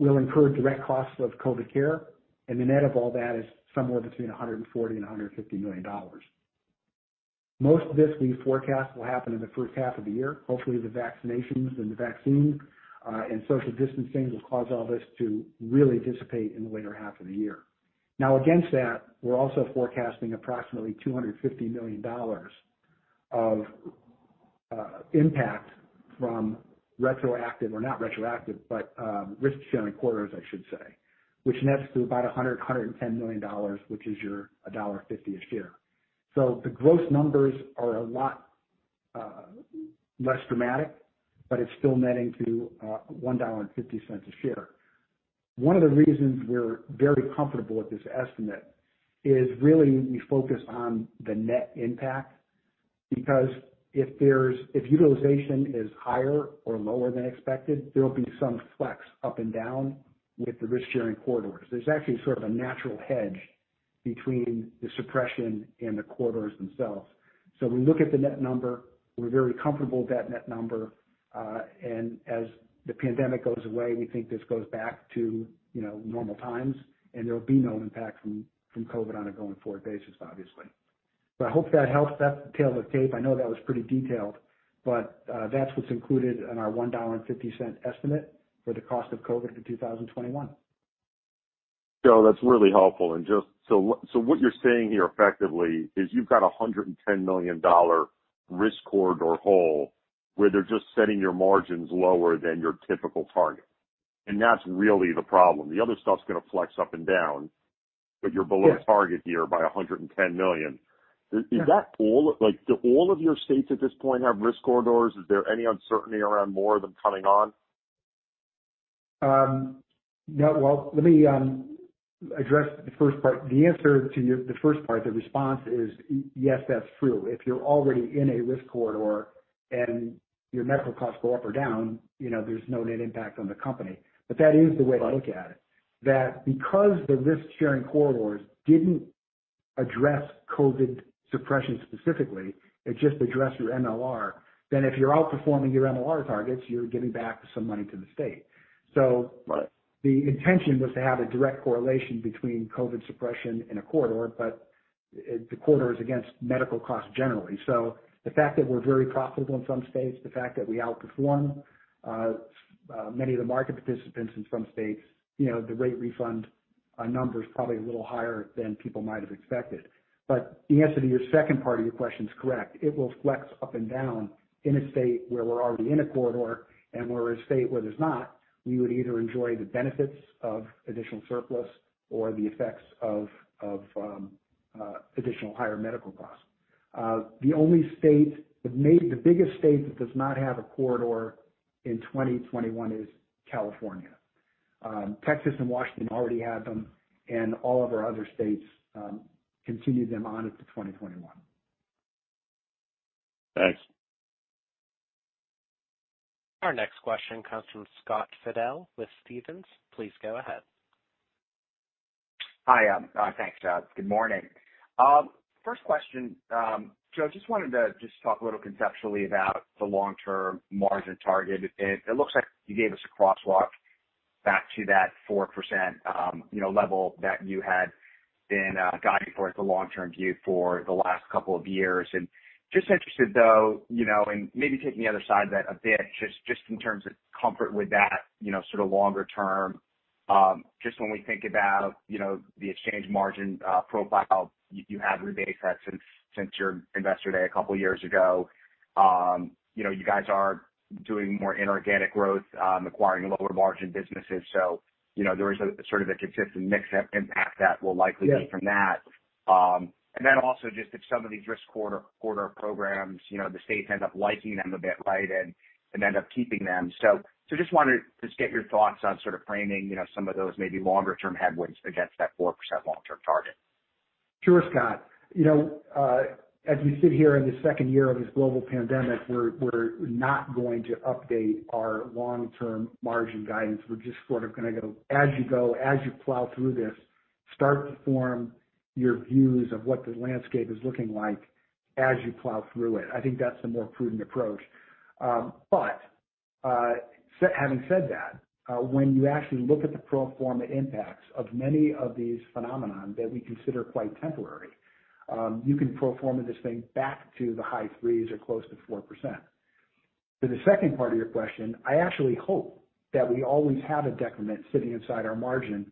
We'll incur direct costs of COVID care, and the net of all that is somewhere between $140 million and $150 million. Most of this, we forecast, will happen in the first half of the year. Hopefully, the vaccinations and the vaccine, and social distancing will cause all this to really dissipate in the latter half of the year. Against that, we're also forecasting approximately $250 million of impact from retroactive, or not retroactive, but risk-sharing corridors, I should say, which nets to about $100 million, $110 million, which is your $1.50 a share. The gross numbers are a lot less dramatic, but it's still netting to $1.50 a share. One of the reasons we're very comfortable with this estimate is really we focus on the net impact, because if utilization is higher or lower than expected, there'll be some flex up and down with the risk-sharing corridors. There's actually sort of a natural hedge between the suppression and the corridors themselves. We look at the net number. We're very comfortable with that net number. As the pandemic goes away, we think this goes back to normal times, there'll be no impact from COVID on a going-forward basis, obviously. I hope that helps. That's the tale of the tape. I know that was pretty detailed, that's what's included in our $1.50 estimate for the cost of COVID for 2021. Joe, that's really helpful. Just so what you're saying here effectively is you've got a $110 million risk corridor hole where they're just setting your margins lower than your typical target. That's really the problem. The other stuff's going to flex up and down, but you're below target here by $110 million. Yeah. Do all of your states at this point have risk corridors? Is there any uncertainty around more of them coming on? Well, let me address the first part. The answer to the first part, the response is, yes, that's true. If you're already in a risk corridor and your medical costs go up or down, there's no net impact on the company. That is the way to look at it. Because the risk-sharing corridors didn't address COVID suppression specifically, it just addressed your MLR. If you're outperforming your MLR targets, you're giving back some money to the state. Right. The intention was to have a direct correlation between COVID suppression in a corridor, but the corridor is against medical costs generally. The fact that we're very profitable in some states, the fact that we outperform many of the market participants in some states, the rate refund number's probably a little higher than people might have expected. The answer to your second part of your question is correct. It will flex up and down in a state where we're already in a corridor, and where a state where there's not, we would either enjoy the benefits of additional surplus or the effects of additional higher medical costs. The biggest state that does not have a corridor in 2021 is California. Texas and Washington already had them, and all of our other states continued them on into 2021. Thanks. Our next question comes from Scott Fidel with Stephens. Please go ahead. Hi. Thanks, Chad. Good morning. First question, Joe, I wanted to talk a little conceptually about the long-term margin target. It looks like you gave us a crosswalk back to that 4% level that you had been guiding for as the long-term view for the last couple of years. Just interested though, and maybe taking the other side of that a bit, just in terms of comfort with that, longer term, just when we think about the exchange margin profile, you have rebate effects. Since your Investor Day a couple of years ago, you guys are doing more inorganic growth, acquiring lower margin businesses. There is a consistent mix impact that will likely- Yes. be from that. Also just if some of these risk corridor programs, the states end up liking them a bit, right, and end up keeping them. Just wanted to just get your thoughts on sort of framing some of those maybe longer term headwinds against that 4% long-term target. Sure, Scott. As we sit here in the second year of this global pandemic, we're not going to update our long-term margin guidance. We're just sort of going to go as you go, as you plow through this, start to form your views of what the landscape is looking like as you plow through it. I think that's the more prudent approach. Having said that, when you actually look at the pro forma impacts of many of these phenomenon that we consider quite temporary, you can pro forma this thing back to the high threes or close to 4%. To the second part of your question, I actually hope that we always have a decrement sitting inside our margin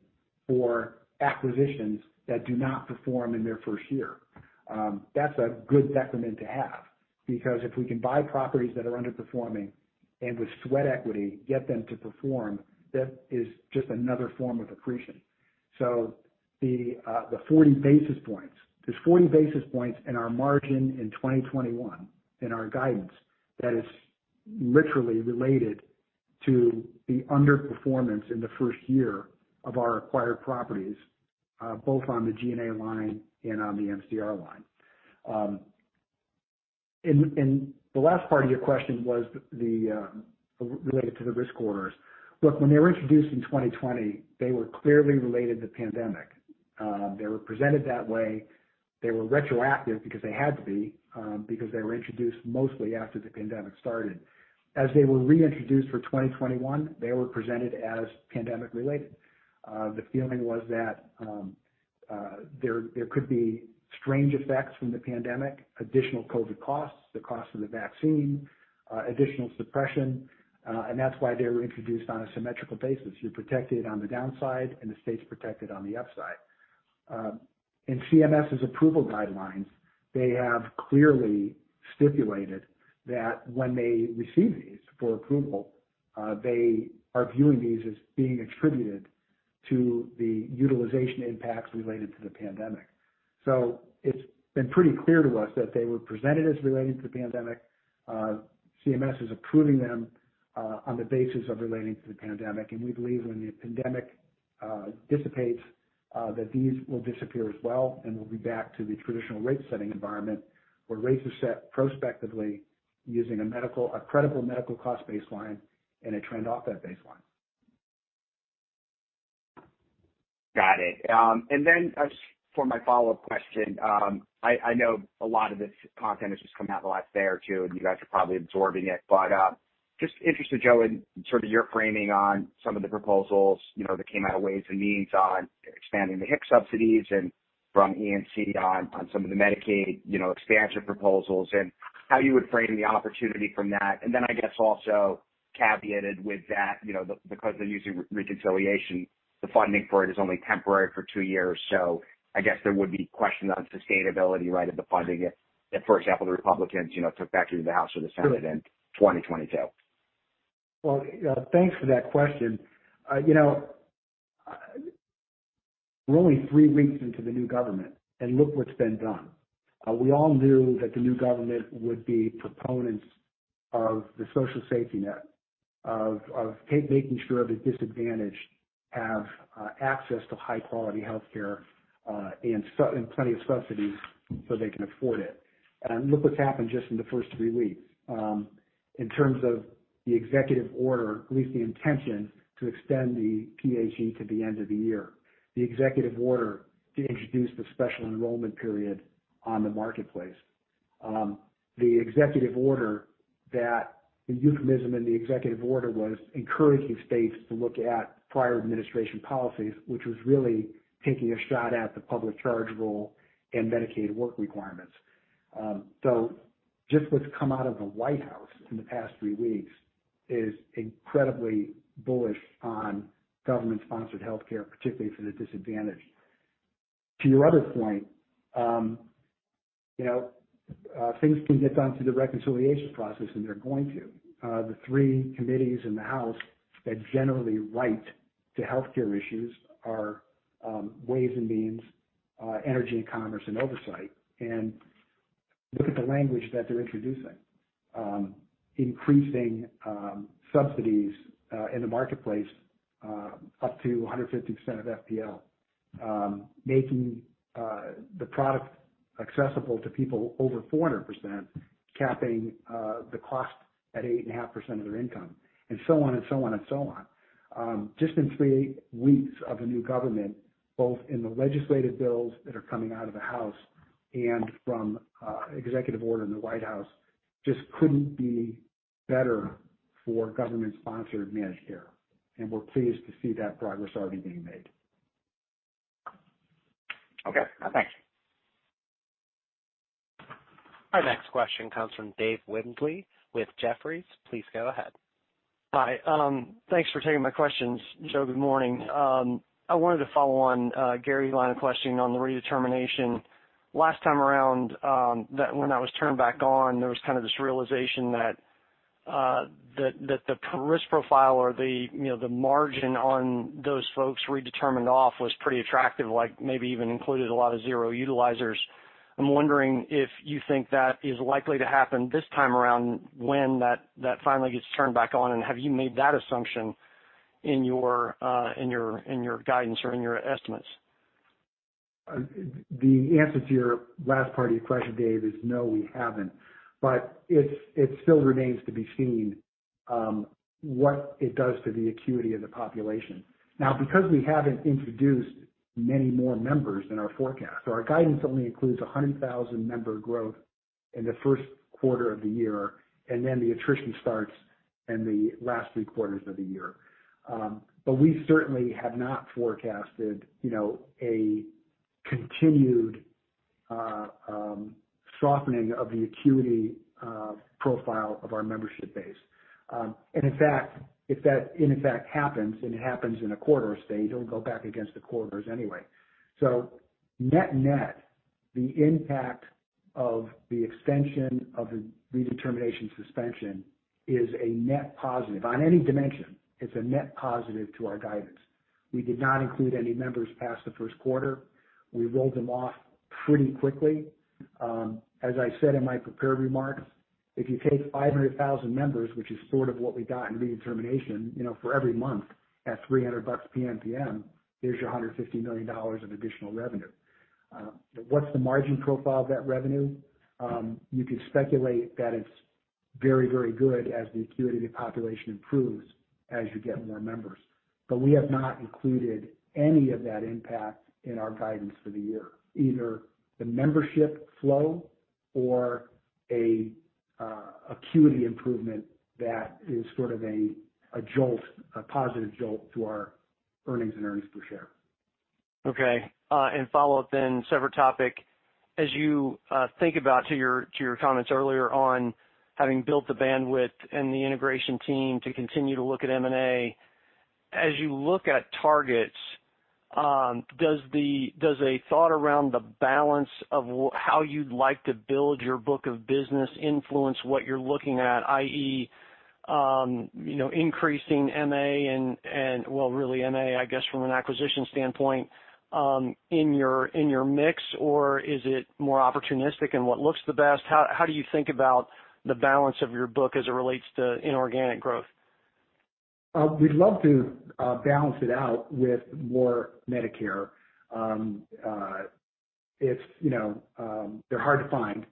for acquisitions that do not perform in their first year. That's a good decrement to have because if we can buy properties that are underperforming and with sweat equity, get them to perform, that is just another form of accretion. The 40 basis points. There's 40 basis points in our margin in 2021 in our guidance that is literally related to the underperformance in the first year of our acquired properties, both on the G&A line and on the MCR line. The last part of your question was related to the risk corridors. Look, when they were introduced in 2020, they were clearly related to the pandemic. They were presented that way. They were retroactive because they had to be, because they were introduced mostly after the pandemic started. As they were reintroduced for 2021, they were presented as pandemic related. The feeling was that there could be strange effects from the pandemic, additional COVID costs, the cost of the vaccine, additional suppression. That's why they were introduced on a symmetrical basis. You're protected on the downside. The state's protected on the upside. In CMS's approval guidelines, they have clearly stipulated that when they receive these for approval, they are viewing these as being attributed to the utilization impacts related to the pandemic. It's been pretty clear to us that they were presented as related to the pandemic. CMS is approving them on the basis of relating to the pandemic. We believe when the pandemic dissipates, that these will disappear as well. We'll be back to the traditional rate setting environment where rates are set prospectively using a credible medical cost baseline and a trend off that baseline. Got it. For my follow-up question, I know a lot of this content has just come out in the last day or two, and you guys are probably absorbing it, but just interested, Joe, in sort of your framing on some of the proposals that came out of Ways and Means on expanding the HIX subsidies and from E&C on some of the Medicaid expansion proposals and how you would frame the opportunity from that. I guess also caveated with that, because they're using reconciliation, the funding for it is only temporary for two years. I guess there would be questions on sustainability, right, of the funding if, for example, the Republicans took back either the House or the Senate in 2022. Thanks for that question. We're only three weeks into the new government. Look what's been done. We all knew that the new government would be proponents of the social safety net, of making sure the disadvantaged have access to high-quality healthcare, plenty of subsidies. They can afford it. Look what's happened just in the first three weeks. In terms of the executive order, at least the intention to extend the PHE to the end of the year, the executive order to introduce the special enrollment period on the Marketplace. The euphemism in the executive order was encouraging states to look at prior administration policies, which was really taking a shot at the public charge rule and Medicaid work requirements. Just what's come out of the White House in the past three weeks is incredibly bullish on government-sponsored healthcare, particularly for the disadvantaged. To your other point, things can get done through the reconciliation process, and they're going to. The three committees in the House that generally write to healthcare issues are Ways and Means, Energy and Commerce, and Oversight. Look at the language that they're introducing. Increasing subsidies in the Marketplace up to 150% of FPL, making the product accessible to people over 400%, capping the cost at 8.5% of their income, and so on and so on and so on. Just in three weeks of a new government, both in the legislative bills that are coming out of the House and from executive order in the White House, just couldn't be better for government-sponsored managed care. We're pleased to see that progress already being made. Okay. Thanks. Our next question comes from Dave Windley with Jefferies. Please go ahead. Hi. Thanks for taking my questions. Joe, good morning. I wanted to follow on Gary's line of questioning on the redetermination. Last time around, when that was turned back on, there was kind of this realization that the risk profile or the margin on those folks redetermined off was pretty attractive, maybe even included a lot of zero utilizers. I'm wondering if you think that is likely to happen this time around when that finally gets turned back on, and have you made that assumption in your guidance or in your estimates? The answer to your last part of your question, Dave, is no, we haven't. It still remains to be seen what it does to the acuity of the population. Now, because we haven't introduced many more members in our forecast, so our guidance only includes 100,000 member growth in the first quarter of the year, and then the attrition starts in the last three quarters of the year. We certainly have not forecasted a continued softening of the acuity profile of our membership base. In fact, if that happens and it happens in a quarter state, it'll go back against the quarters anyway. Net-net, the impact of the extension of the redetermination suspension is a net positive. On any dimension, it's a net positive to our guidance. We did not include any members past the first quarter. We rolled them off pretty quickly. As I said in my prepared remarks, if you take 500,000 members, which is sort of what we got in redetermination, for every month at $300 PMPM, there's your $150 million of additional revenue. What's the margin profile of that revenue? You could speculate that it's very good as the acuity of the population improves as you get more members. We have not included any of that impact in our guidance for the year, either the membership flow or a acuity improvement that is sort of a positive jolt to our earnings and earnings per share. Okay. Follow up, separate topic. As you think about, to your comments earlier on having built the bandwidth and the integration team to continue to look at M&A, as you look at targets, does a thought around the balance of how you'd like to build your book of business influence what you're looking at, i.e., increasing MA and, well, really MA, I guess, from an acquisition standpoint, in your mix, or is it more opportunistic and what looks the best? How do you think about the balance of your book as it relates to inorganic growth? We'd love to balance it out with more Medicare. They're hard to find,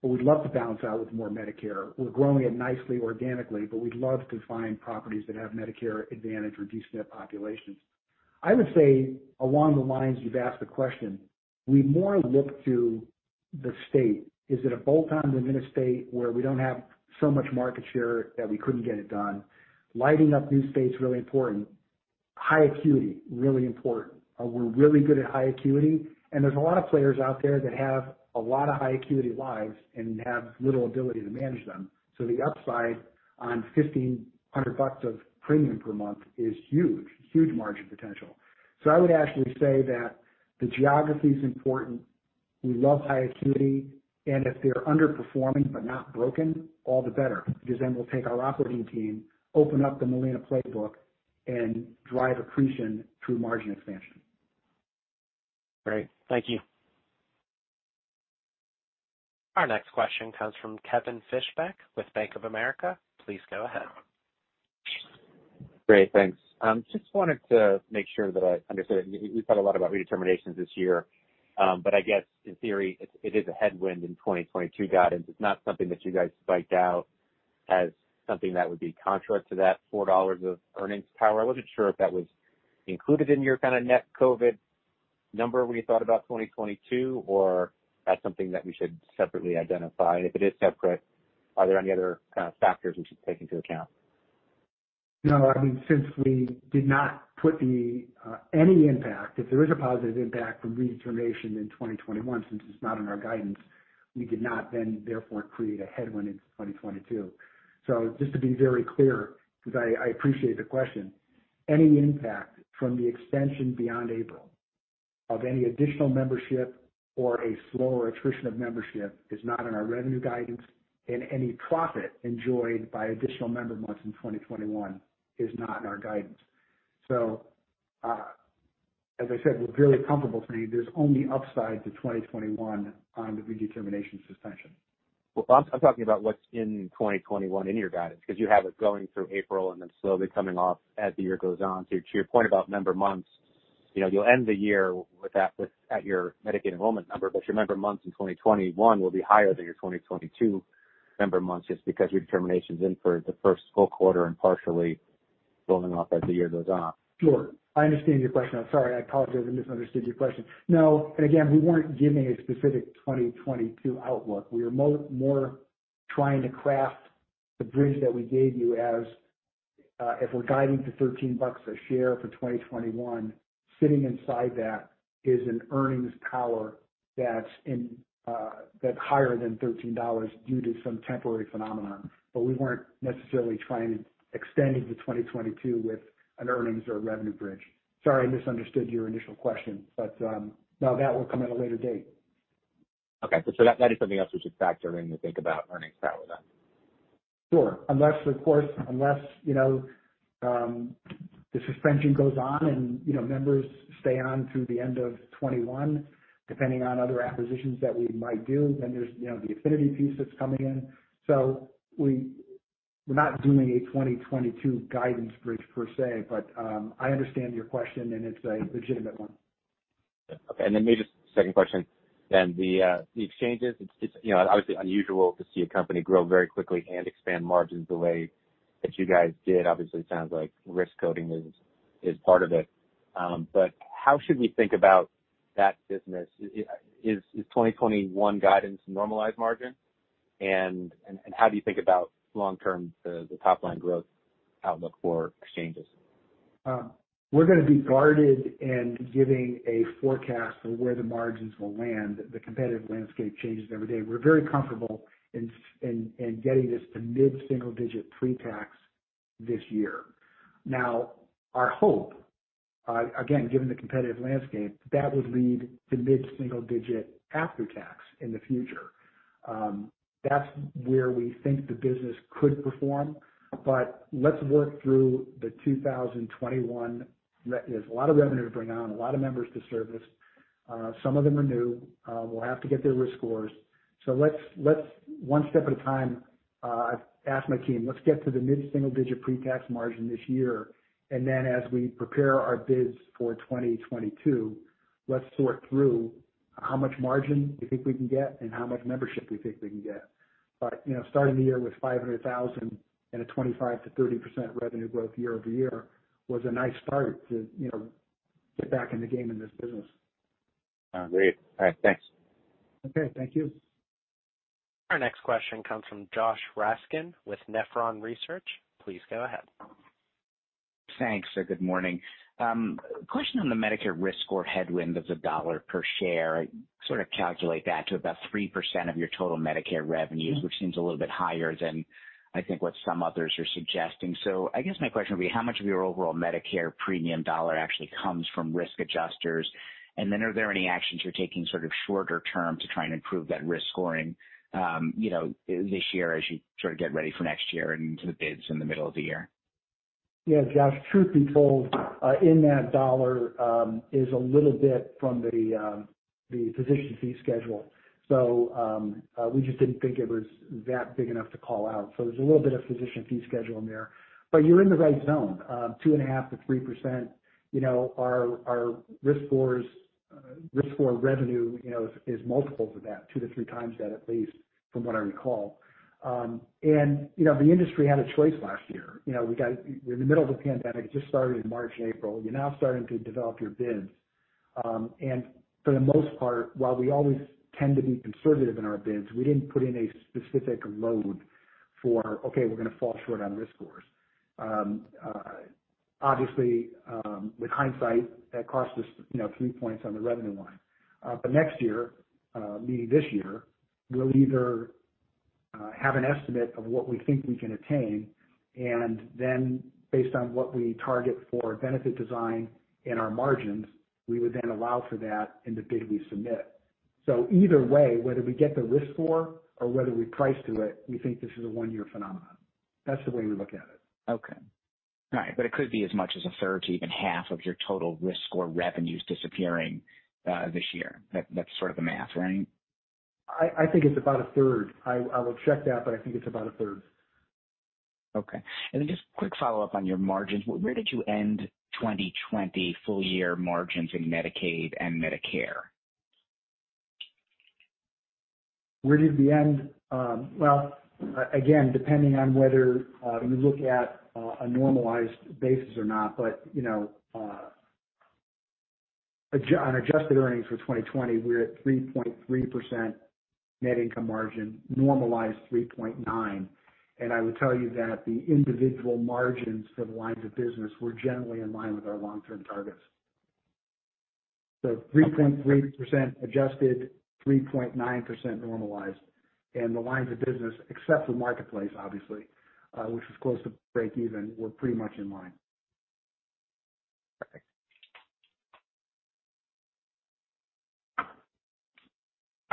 but we'd love to balance out with more Medicare. We're growing it nicely organically, but we'd love to find properties that have Medicare Advantage or D-SNP populations. I would say along the lines you've asked the question, we more look to the state. Is it a bolt-on to the state where we don't have so much market share that we couldn't get it done? Lighting up new states, really important. High acuity, really important. We're really good at high acuity, and there's a lot of players out there that have a lot of high acuity lives and have little ability to manage them. The upside on $1,500 of premium per month is huge. Huge margin potential. I would actually say that the geography's important. We love high acuity, and if they're underperforming but not broken, all the better, because then we'll take our operating team, open up the Molina playbook, and drive accretion through margin expansion. Great. Thank you. Our next question comes from Kevin Fischbeck with Bank of America. Please go ahead. Great. Thanks. Just wanted to make sure that I understood it. We've talked a lot about redeterminations this year, I guess in theory, it is a headwind in 2022 guidance. It's not something that you guys spiked out as something that would be contrary to that $4 of earnings power. I wasn't sure if that was included in your net COVID number when you thought about 2022, or that's something that we should separately identify. If it is separate, are there any other kind of factors we should take into account? No, since we did not put any impact, if there is a positive impact from redetermination in 2021, since it's not in our guidance, we did not then therefore create a headwind in 2022. Just to be very clear, because I appreciate the question, any impact from the extension beyond April of any additional membership or a slower attrition of membership is not in our revenue guidance, and any profit enjoyed by additional member months in 2021 is not in our guidance. As I said, we're very comfortable saying there's only upside to 2021 on the redetermination suspension. Well, I'm talking about what's in 2021 in your guidance, because you have it going through April and then slowly coming off as the year goes on. To your point about member months, you'll end the year at your Medicaid enrollment number, but your member months in 2021 will be higher than your 2022 member months, just because redetermination's in for the first full quarter and partially rolling off as the year goes on. Sure. I understand your question now. Sorry, I apologize. I misunderstood your question. Again, we weren't giving a specific 2022 outlook. We were more trying to craft the bridge that we gave you as, if we're guiding to $13 a share for 2021, sitting inside that is an earnings power that's higher than $13 due to some temporary phenomenon. We weren't necessarily trying to extend into 2022 with an earnings or a revenue bridge. Sorry, I misunderstood your initial question, that will come at a later date. Okay. That is something else we should factor in to think about earnings power. Sure, unless the suspension goes on and members stay on through the end of 2021, depending on other acquisitions that we might do, then there's the Affinity piece that's coming in. We're not doing a 2022 guidance bridge per se, but I understand your question and it's a legitimate one. Okay, maybe just a second question. The Exchanges, it's obviously unusual to see a company grow very quickly and expand margins the way that you guys did. Obviously sounds like risk coding is part of it. How should we think about that business? Is 2021 guidance normalized margin? How do you think about long-term, the top-line growth outlook for Exchanges? We're going to be guarded in giving a forecast for where the margins will land. The competitive landscape changes every day. We're very comfortable in getting this to mid-single digit pre-tax this year. Our hope, again, given the competitive landscape, that would lead to mid-single digit after tax in the future. That's where we think the business could perform. Let's work through the 2021. There's a lot of revenue to bring on, a lot of members to service. Some of them are new. We'll have to get their risk scores. Let's one step at a time. I've asked my team, let's get to the mid-single digit pre-tax margin this year, and then as we prepare our bids for 2022, let's sort through how much margin we think we can get and how much membership we think we can get. Starting the year with 500,000 and a 25%-30% revenue growth year-over-year was a nice start to get back in the game in this business. Great. All right, thanks. Okay. Thank you. Our next question comes from Josh Raskin with Nephron Research. Please go ahead. Thanks. Good morning. Question on the Medicare risk score headwind of the $1 per share. I sort of calculate that to about 3% of your total Medicare revenues, which seems a little bit higher than I think what some others are suggesting. I guess my question would be, how much of your overall Medicare premium dollar actually comes from risk adjusters? Are there any actions you're taking sort of shorter term to try and improve that risk scoring this year as you sort of get ready for next year and to the bids in the middle of the year? Yeah, Josh, truth be told, in that dollar is a little bit from the physician fee schedule. We just didn't think it was that big enough to call out. There's a little bit of physician fee schedule in there. You're in the right zone. 2.5%-3%. Our risk score revenue is multiples of that, two to three times that at least, from what I recall. The industry had a choice last year. We're in the middle of a pandemic, it just started in March and April. You're now starting to develop your bids. For the most part, while we always tend to be conservative in our bids, we didn't put in a specific load for, okay, we're going to fall short on risk scores. Obviously, with hindsight, that cost us three points on the revenue line. Next year, meaning this year, we'll either have an estimate of what we think we can attain, and then based on what we target for benefit design and our margins, we would then allow for that in the bid we submit. Either way, whether we get the risk score or whether we price to it, we think this is a one-year phenomenon. That's the way we look at it. Okay. All right, it could be as much as a third to even half of your total risk score revenues disappearing this year. That's sort of the math, right? I think it's about a third. I will check that, but I think it's about a third. Okay. Just quick follow-up on your margins. Where did you end 2020 full-year margins in Medicaid and Medicare? Where did we end? Well, again, depending on whether you look at a normalized basis or not. On adjusted earnings for 2020, we're at 3.3% net income margin, normalized 3.9%. I would tell you that the individual margins for the lines of business were generally in line with our long-term targets. 3.3% adjusted, 3.9% normalized. The lines of business, except for Marketplace, obviously, which was close to breakeven, were pretty much in line.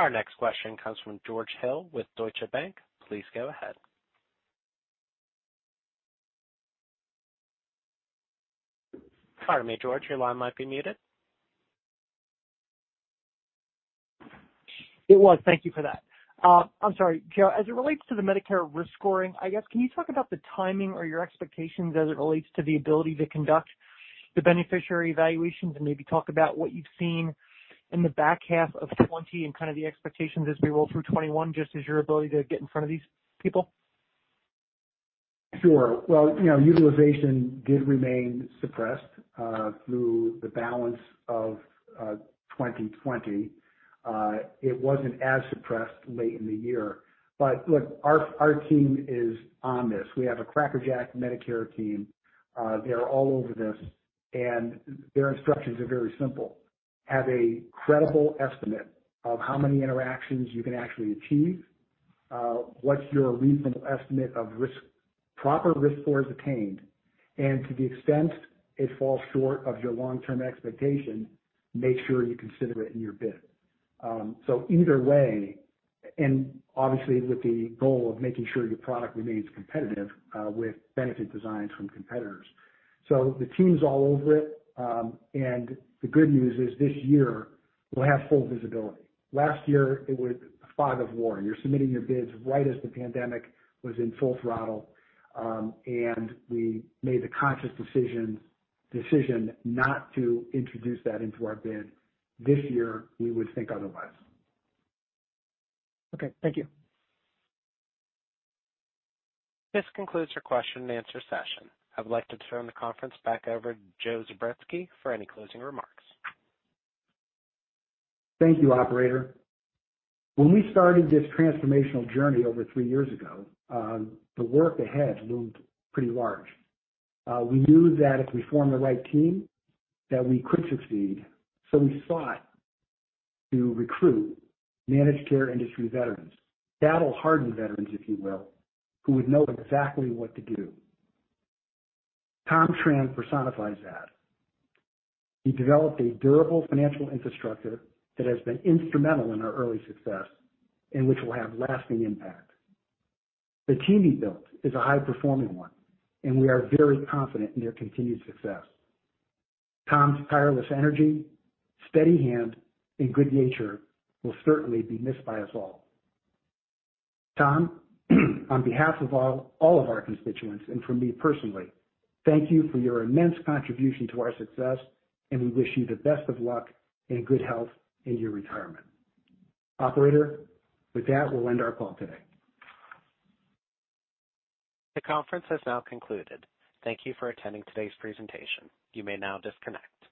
Perfect. Our next question comes from George Hill with Deutsche Bank. Please go ahead. Pardon me, George, your line might be muted. It was. Thank you for that. I'm sorry, Joe, as it relates to the Medicare risk scoring, I guess, can you talk about the timing or your expectations as it relates to the ability to conduct the beneficiary evaluations and maybe talk about what you've seen in the back half of 2020 and kind of the expectations as we roll through 2021, just as your ability to get in front of these people? Sure. Well, utilization did remain suppressed through the balance of 2020. It wasn't as suppressed late in the year. Look, our team is on this. We have a crackerjack Medicare team. They are all over this, and their instructions are very simple. Have a credible estimate of how many interactions you can actually achieve. What's your reasonable estimate of proper risk scores attained? To the extent it falls short of your long-term expectation, make sure you consider it in your bid. Either way, and obviously with the goal of making sure your product remains competitive with benefit designs from competitors. The team's all over it. The good news is this year we'll have full visibility. Last year it was the fog of war, and you're submitting your bids right as the pandemic was in full throttle. We made the conscious decision not to introduce that into our bid. This year, we would think otherwise. Okay. Thank you. This concludes your question and answer session. I would like to turn the conference back over to Joseph Zubretsky for any closing remarks. Thank you, operator. When we started this transformational journey over three years ago, the work ahead loomed pretty large. We knew that if we formed the right team, that we could succeed. We sought to recruit managed care industry veterans, battle-hardened veterans, if you will, who would know exactly what to do. Tom Tran personifies that. He developed a durable financial infrastructure that has been instrumental in our early success and which will have lasting impact. The team he built is a high-performing one, and we are very confident in their continued success. Tom's tireless energy, steady hand, and good nature will certainly be missed by us all. Tom on behalf of all of our constituents and from me personally, thank you for your immense contribution to our success, and we wish you the best of luck and good health in your retirement. Operator, with that, we'll end our call today. The conference has now concluded. Thank you for attending today's presentation. You may now disconnect.